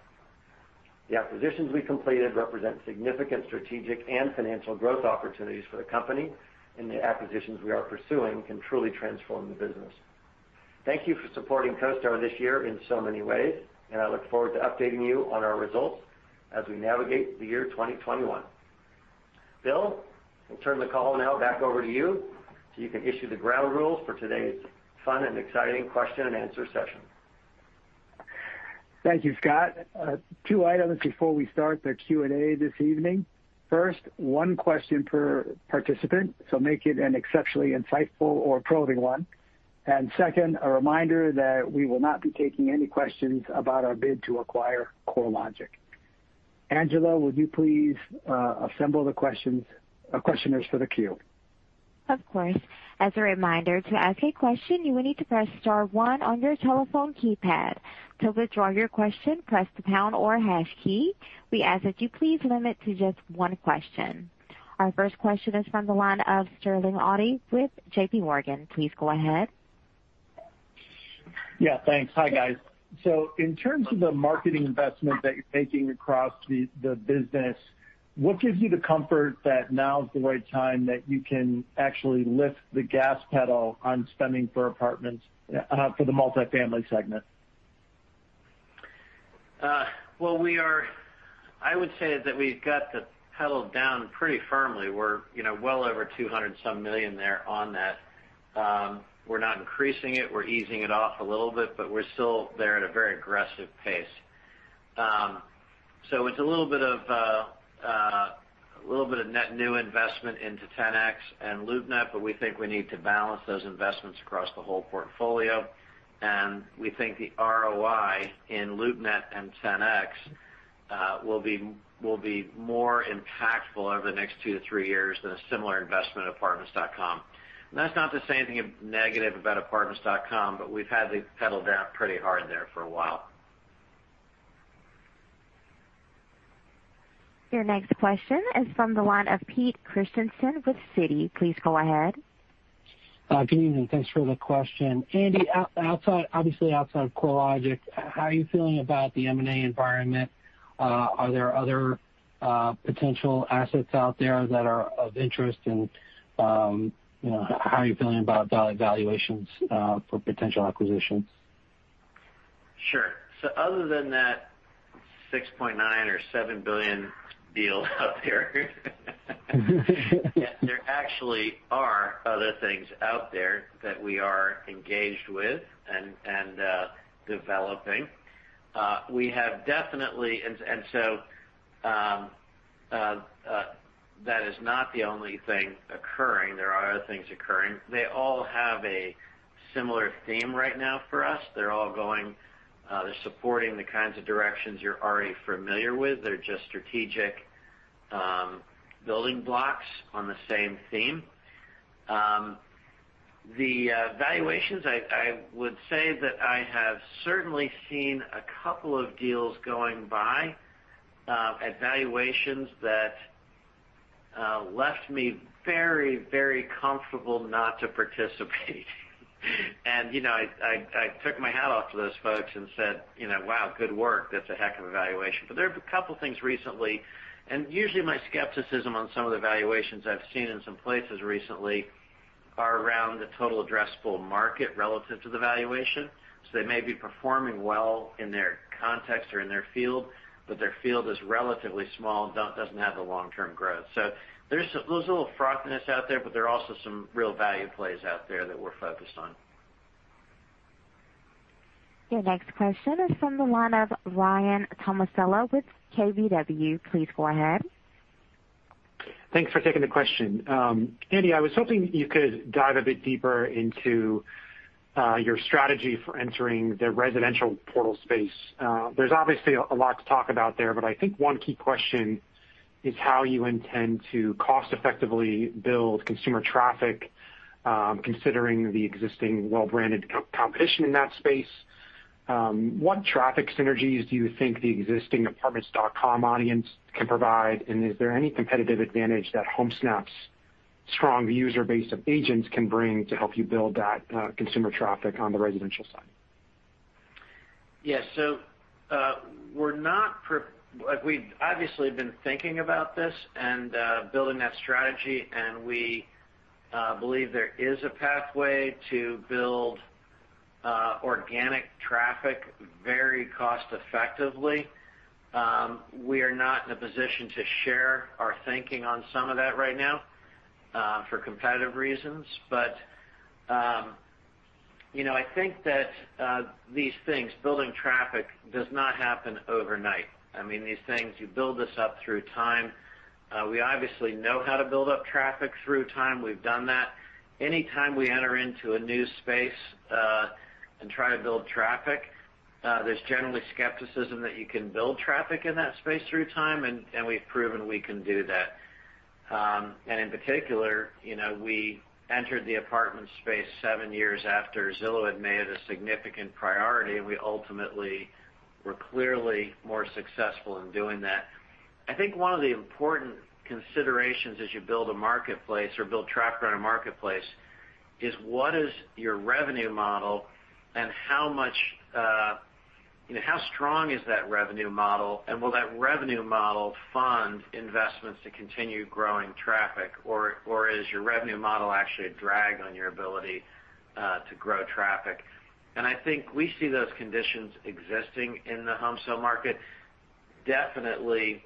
The acquisitions we completed represent significant strategic and financial growth opportunities for the company, the acquisitions we are pursuing can truly transform the business. Thank you for supporting CoStar this year in so many ways, I look forward to updating you on our results as we navigate the year 2021. Bill, I'll turn the call now back over to you can issue the ground rules for today's fun and exciting question and answer session. Thank you, Scott. Two items before we start the Q&A this evening. First, one question per participant. Make it an exceptionally insightful or probing one. Second, a reminder that we will not be taking any questions about our bid to acquire CoreLogic. Angela, would you please assemble the questioners for the queue? Of course. As a reminder, to ask a question, you will need to press star one on your telephone keypad. To withdraw your question, press the pound or hash key. We ask that you please limit to just one question. Our first question is from the line of Sterling Auty with JPMorgan. Please go ahead. Yeah, thanks. Hi, guys. In terms of the marketing investment that you're making across the business, what gives you the comfort that now is the right time that you can actually lift the gas pedal on spending for apartments for the multifamily segment? I would say that we've got the pedal down pretty firmly. We're well over $200 and some million there on that. We're not increasing it. We're easing it off a little bit, but we're still there at a very aggressive pace. It's a little bit of net new investment into Ten-X and LoopNet, but we think we need to balance those investments across the whole portfolio, and we think the ROI in LoopNet and Ten-X will be more impactful over the next two to three years than a similar investment in apartments.com. That's not to say anything negative about apartments.com, but we've had the pedal down pretty hard there for a while. Your next question is from the line of Pete Christiansen with Citi. Please go ahead. Good evening. Thanks for the question. Andy, obviously outside of CoreLogic, how are you feeling about the M&A environment? Are there other potential assets out there that are of interest and how are you feeling about valuations for potential acquisitions? Sure. Other than that $6.9 or $7 billion deal out there. There actually are other things out there that we are engaged with and developing. That is not the only thing occurring. There are other things occurring. They all have a similar theme right now for us. They're all supporting the kinds of directions you're already familiar with. They're just strategic building blocks on the same theme. The valuations, I would say that I have certainly seen a couple of deals going by at valuations that left me very comfortable not to participate. I took my hat off to those folks and said, "Wow, good work." That's a heck of a valuation. There have a couple things recently, and usually my skepticism on some of the valuations I've seen in some places recently are around the total addressable market relative to the valuation. They may be performing well in their context or in their field, but their field is relatively small and doesn't have the long-term growth. There's a little frothiness out there, but there are also some real value plays out there that we're focused on. Your next question is from the line of Ryan Tomasello with KBW. Please go ahead. Thanks for taking the question. Andy, I was hoping you could dive a bit deeper into your strategy for entering the residential portal space. There's obviously a lot to talk about there, but I think one key question is how you intend to cost-effectively build consumer traffic, considering the existing well-branded competition in that space. What traffic synergies do you think the existing Apartments.com audience can provide? Is there any competitive advantage that Homesnap's strong user base of agents can bring to help you build that consumer traffic on the residential side? Yeah. We've obviously been thinking about this and building that strategy, and we believe there is a pathway to build organic traffic very cost-effectively. We are not in a position to share our thinking on some of that right now for competitive reasons. I think that these things, building traffic, does not happen overnight. These things, you build this up through time. We obviously know how to build up traffic through time. We've done that. Anytime we enter into a new space and try to build traffic, there's generally skepticism that you can build traffic in that space through time, and we've proven we can do that. In particular, we entered the apartment space seven years after Zillow had made it a significant priority, and we ultimately were clearly more successful in doing that. I think one of the important considerations as you build a marketplace or build traffic around a marketplace is what is your revenue model and how strong is that revenue model, and will that revenue model fund investments to continue growing traffic, or is your revenue model actually a drag on your ability to grow traffic? I think we see those conditions existing in the home sale market. Definitely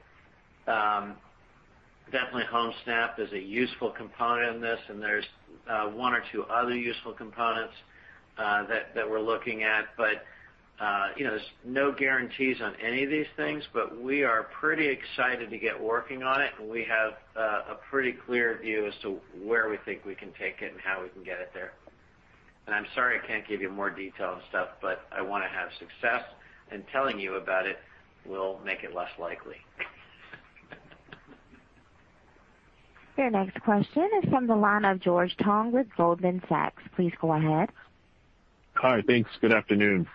Homesnap is a useful component in this, and there's one or two other useful components that we're looking at. There's no guarantees on any of these things, but we are pretty excited to get working on it, and we have a pretty clear view as to where we think we can take it and how we can get it there. I'm sorry I can't give you more detail and stuff, but I want to have success, and telling you about it will make it less likely. Your next question is from the line of George Tong with Goldman Sachs. Please go ahead. Hi. Thanks. Good afternoon.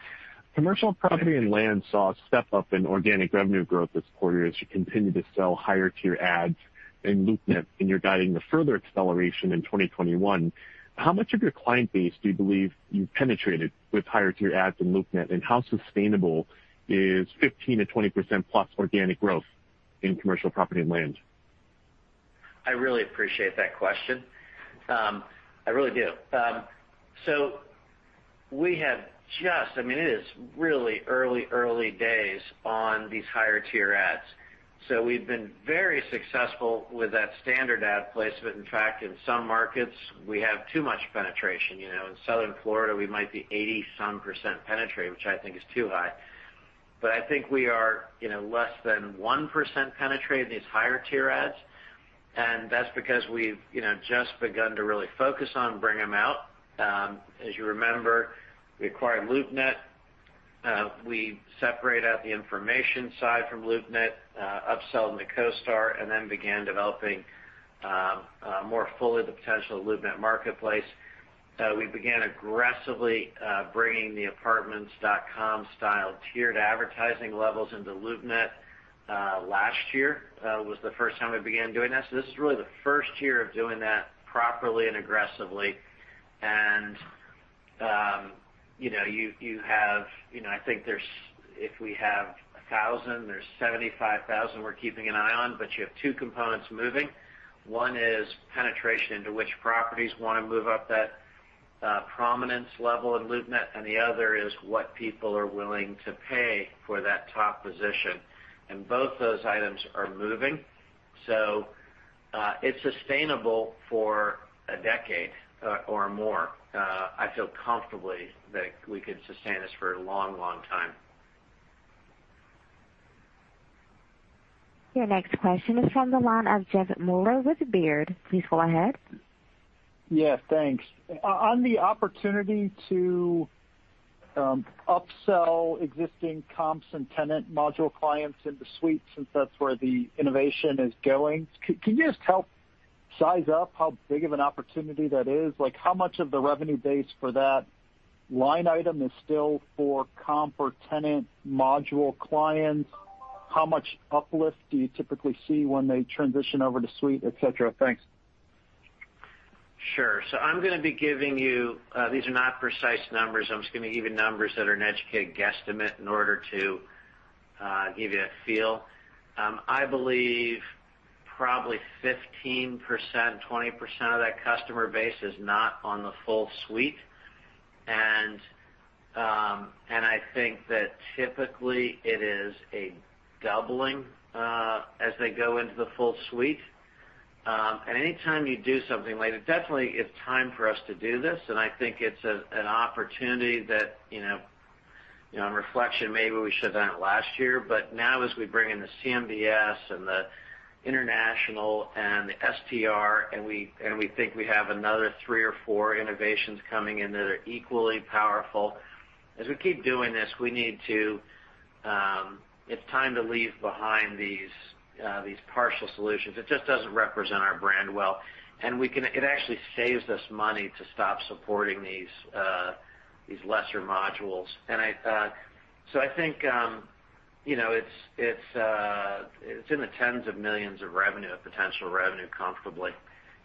Commercial property and land saw a step up in organic revenue growth this quarter as you continue to sell higher tier ads in LoopNet, and you're guiding the further acceleration in 2021. How much of your client base do you believe you've penetrated with higher tier ads in LoopNet? How sustainable is 15%-20%+ organic growth in commercial property and land? I really appreciate that question. I really do. It is really early days on these higher-tier ads. We've been very successful with that standard ad placement. In fact, in some markets, we have too much penetration. In Southern Florida, we might be 80-some% penetrated, which I think is too high. I think we are less than 1% penetrated in these higher-tier ads, and that's because we've just begun to really focus on bringing them out. As you remember, we acquired LoopNet. We separated out the information side from LoopNet, upsell into CoStar, and then began developing more fully the potential of the LoopNet marketplace. We began aggressively bringing the Apartments.com style tiered advertising levels into LoopNet last year. That was the first time we began doing that. This is really the first year of doing that properly and aggressively. You know, I think if we have 1,000, there's 75,000 we're keeping an eye on. You have two components moving. One is penetration into which properties want to move up that prominence level in LoopNet, and the other is what people are willing to pay for that top position. Both those items are moving. It's sustainable for a decade or more. I feel comfortably that we could sustain this for a long, long time. Your next question is from the line of Jeff Meuler with Baird. Please go ahead. Yeah, thanks. On the opportunity to upsell existing COMPS and tenant module clients into Suite, since that's where the innovation is going, can you just help size up how big of an opportunity that is? Like, how much of the revenue base for that line item is still for COMP or tenant module clients? How much uplift do you typically see when they transition over to Suite, et cetera? Thanks. Sure. These are not precise numbers. I'm just going to give you numbers that are an educated guesstimate in order to give you a feel. I believe probably 15%-20% of that customer base is not on the full CoStar Suite. I think that typically it is a doubling, as they go into the full CoStar Suite. Anytime you do something like that, definitely it's time for us to do this, and I think it's an opportunity that, on reflection, maybe we should've done it last year. Now as we bring in the CMBS and the international and the STR, and we think we have another three or four innovations coming in that are equally powerful. As we keep doing this, it's time to leave behind these partial solutions. It just doesn't represent our brand well. It actually saves us money to stop supporting these lesser modules. I think, it's in the $ tens of millions of potential revenue comfortably.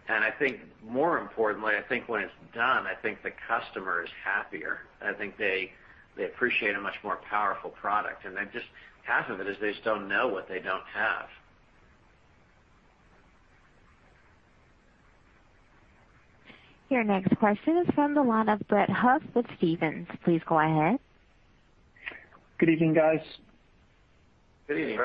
I think more importantly, I think when it's done, I think the customer is happier. I think they appreciate a much more powerful product, and then just half of it is they just don't know what they don't have. Your next question is from the line of Brett Huff with Stephens. Please go ahead. Good evening, guys. Good evening,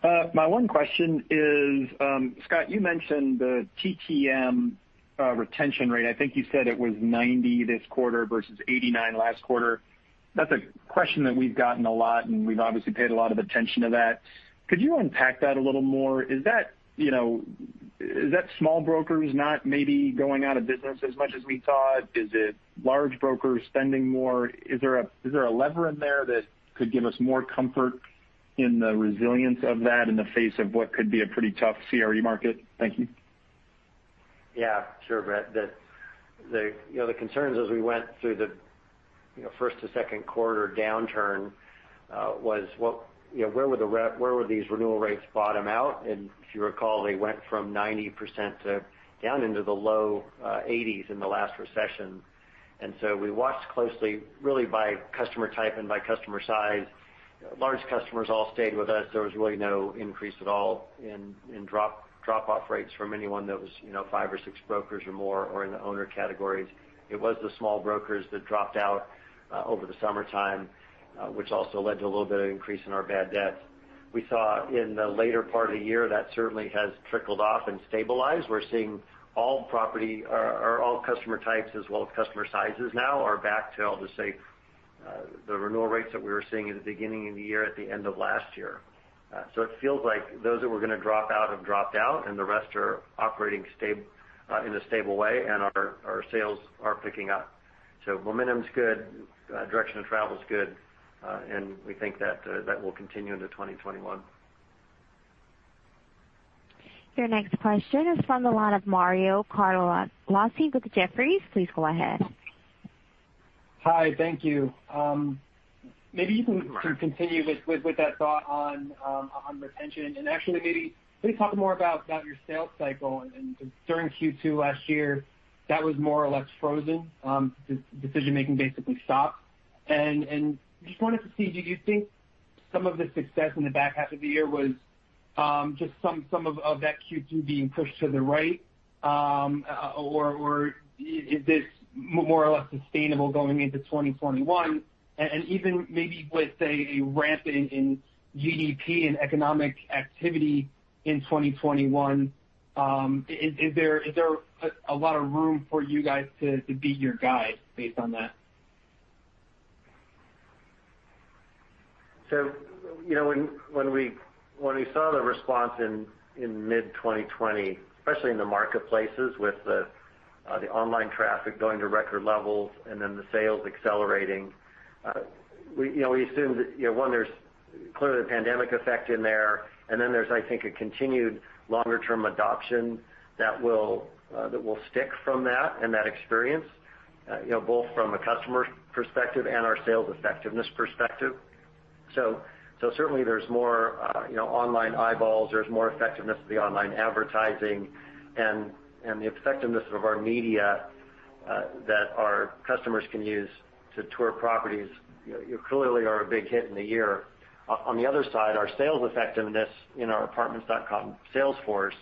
Brett. My one question is, Scott, you mentioned the TTM retention rate. I think you said it was 90 this quarter versus 89 last quarter. That's a question that we've gotten a lot, and we've obviously paid a lot of attention to that. Could you unpack that a little more? Is that small brokers not maybe going out of business as much as we thought? Is it large brokers spending more? Is there a lever in there that could give us more comfort in the resilience of that in the face of what could be a pretty tough CRE market? Thank you. Yeah, sure, Brett. The concerns as we went through the first to second quarter downturn, was where would these renewal rates bottom out? If you recall, they went from 90% to down into the low 80s in the last recession. We watched closely, really by customer type and by customer size. Large customers all stayed with us. There was really no increase at all in drop-off rates from anyone that was five or six brokers or more, or in the owner categories. It was the small brokers that dropped out over the summertime, which also led to a little bit of increase in our bad debts. We saw in the later part of the year, that certainly has trickled off and stabilized. We're seeing all customer types as well as customer sizes now are back to, I'll just say, the renewal rates that we were seeing at the beginning of the year, at the end of last year. It feels like those that were going to drop out have dropped out and the rest are operating in a stable way, and our sales are picking up. Momentum's good, direction of travel's good, and we think that will continue into 2021. Your next question is from the line of Mario Cortellacci with Jefferies. Please go ahead. Hi. Thank you. Continue with that thought on retention. Actually, maybe please talk more about your sales cycle. During Q2 last year, that was more or less frozen. Decision-making basically stopped. Just wanted to see, do you think some of the success in the back half of the year was just some of that Q2 being pushed to the right? Is this more or less sustainable going into 2021? Even maybe with a ramp in GDP and economic activity in 2021, is there a lot of room for you guys to beat your guide based on that? When we saw the response in mid-2020, especially in the marketplaces with the online traffic going to record levels and then the sales accelerating, we assumed that one, there's Clearly the pandemic effect in there, and then there's, I think, a continued longer-term adoption that will stick from that and that experience both from a customer perspective and our sales effectiveness perspective. Certainly there's more online eyeballs, there's more effectiveness of the online advertising, and the effectiveness of our media that our customers can use to tour properties clearly are a big hit in the year. On the other side, our sales effectiveness in our Apartments.com sales force,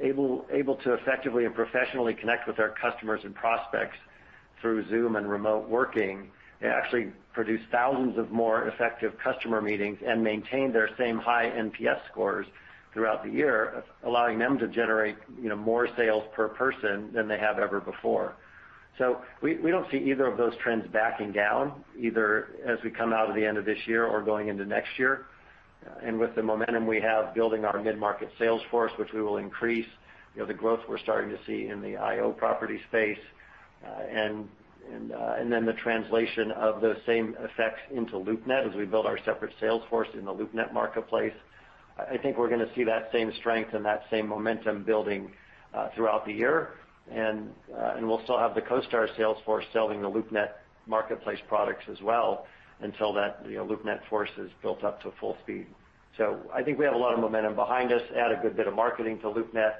able to effectively and professionally connect with our customers and prospects through Zoom and remote working. They actually produced thousands of more effective customer meetings and maintained their same high NPS scores throughout the year, allowing them to generate more sales per person than they have ever before. We don't see either of those trends backing down, either as we come out of the end of this year or going into next year. With the momentum we have building our mid-market sales force, which we will increase, the growth we're starting to see in the IO property space, and then the translation of those same effects into LoopNet as we build our separate sales force in the LoopNet marketplace. I think we're going to see that same strength and that same momentum building throughout the year. We'll still have the CoStar sales force selling the LoopNet marketplace products as well until that LoopNet force is built up to full speed. I think we have a lot of momentum behind us, add a good bit of marketing to LoopNet,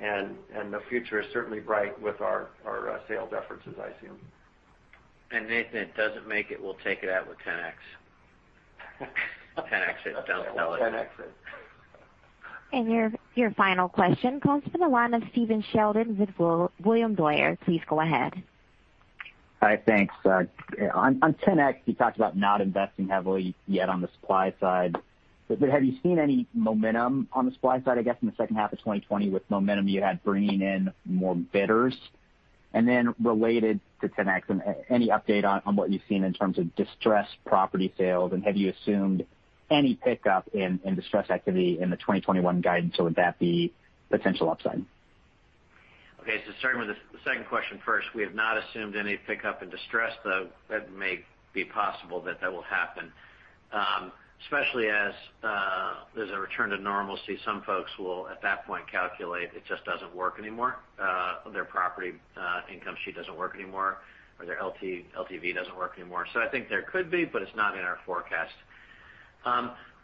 and the future is certainly bright with our sales efforts, as I see them. And if it doesn't make it, we'll take it out with Ten-X. Ten-X it, don't sell it. Ten-X it. Your final question comes from the line of Stephen Sheldon with William Blair. Please go ahead. Hi, thanks. On Ten-X, you talked about not investing heavily yet on the supply side. Have you seen any momentum on the supply side, I guess, in the second half of 2020 with momentum you had bringing in more bidders? Related to Ten-X, any update on what you've seen in terms of distressed property sales, and have you assumed any pickup in distressed activity in the 2021 guidance, or would that be potential upside? Okay. Starting with the second question first, we have not assumed any pickup in distressed, though that may be possible that that will happen, especially as there's a return to normalcy. Some folks will, at that point, calculate it just doesn't work anymore, their property income sheet doesn't work anymore, or their LTV doesn't work anymore. I think there could be, but it's not in our forecast.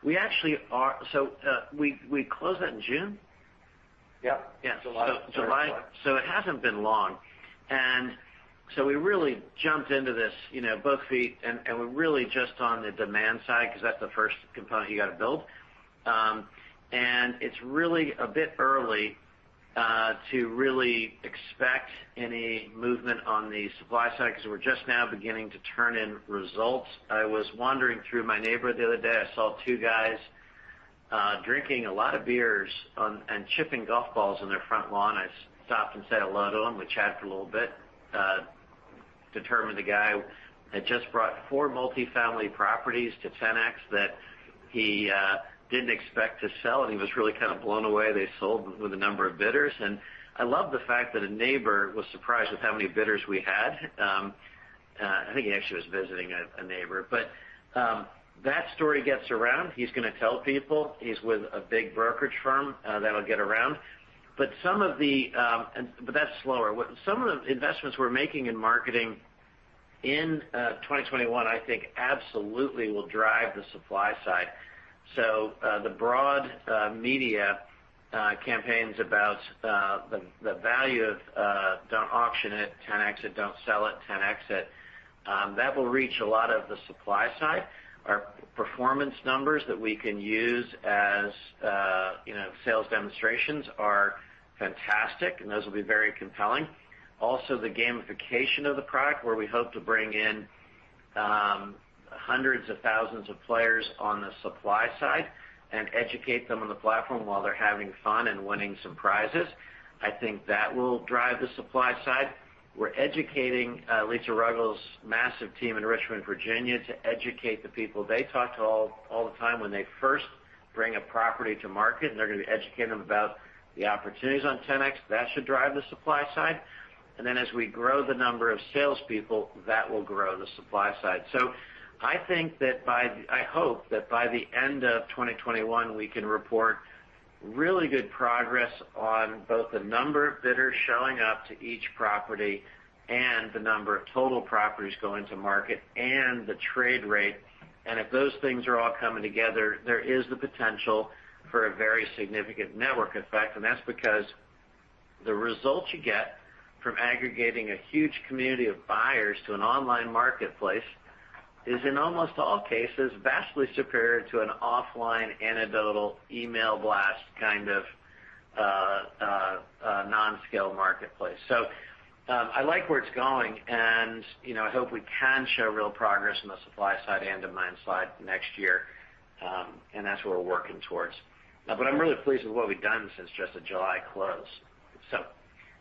We closed that in June? Yeah. Yeah. July. July. It hasn't been long. We really jumped into this both feet, and we're really just on the demand side because that's the first component you got to build. It's really a bit early to really expect any movement on the supply side because we're just now beginning to turn in results. I was wandering through my neighborhood the other day. I saw two guys drinking a lot of beers and chipping golf balls on their front lawn. I stopped and said hello to them. We chatted a little bit. Determined the guy had just brought four multi-family properties to Ten-X that he didn't expect to sell, and he was really kind of blown away. They sold with a number of bidders, and I love the fact that a neighbor was surprised with how many bidders we had. I think he actually was visiting a neighbor. That story gets around. He's going to tell people. He's with a big brokerage firm. That'll get around. That's slower. Some of the investments we're making in marketing in 2021, I think, absolutely will drive the supply side. The broad media campaigns about the value of "Don't auction it, Ten-X it. Don't sell it, Ten-X it," that will reach a lot of the supply side. Our performance numbers that we can use as sales demonstrations are fantastic, and those will be very compelling. The gamification of the product, where we hope to bring in hundreds of thousands of players on the supply side and educate them on the platform while they're having fun and winning some prizes. I think that will drive the supply side. We're educating Lisa Ruggles' massive team in Richmond, Virginia, to educate the people they talk to all the time when they first bring a property to market, and they're going to educate them about the opportunities on Ten-X. That should drive the supply side. Then as we grow the number of salespeople, that will grow the supply side. I hope that by the end of 2021, we can report really good progress on both the number of bidders showing up to each property and the number of total properties going to market and the trade rate. If those things are all coming together, there is the potential for a very significant network effect. That's because the results you get from aggregating a huge community of buyers to an online marketplace is, in almost all cases, vastly superior to an offline, anecdotal email blast kind of non-scale marketplace. I like where it's going, and I hope we can show real progress on the supply side and demand side next year. That's what we're working towards. I'm really pleased with what we've done since just the July close.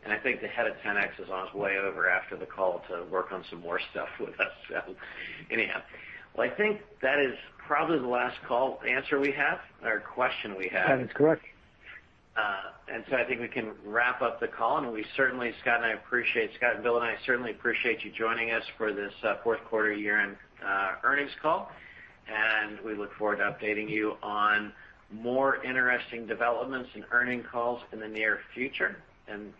I think the head of Ten-X is on his way over after the call to work on some more stuff with us. Anyhow. I think that is probably the last call answer we have, or question we have. That is correct. I think we can wrap up the call, and Scott and Bill and I certainly appreciate you joining us for this fourth quarter year-end earnings call. We look forward to updating you on more interesting developments and earnings calls in the near future and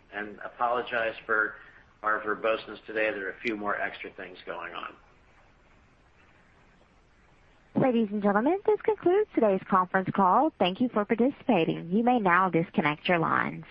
apologize for our verboseness today. There are a few more extra things going on. Ladies and gentlemen, this concludes today's conference call. Thank you for participating. You may now disconnect your lines.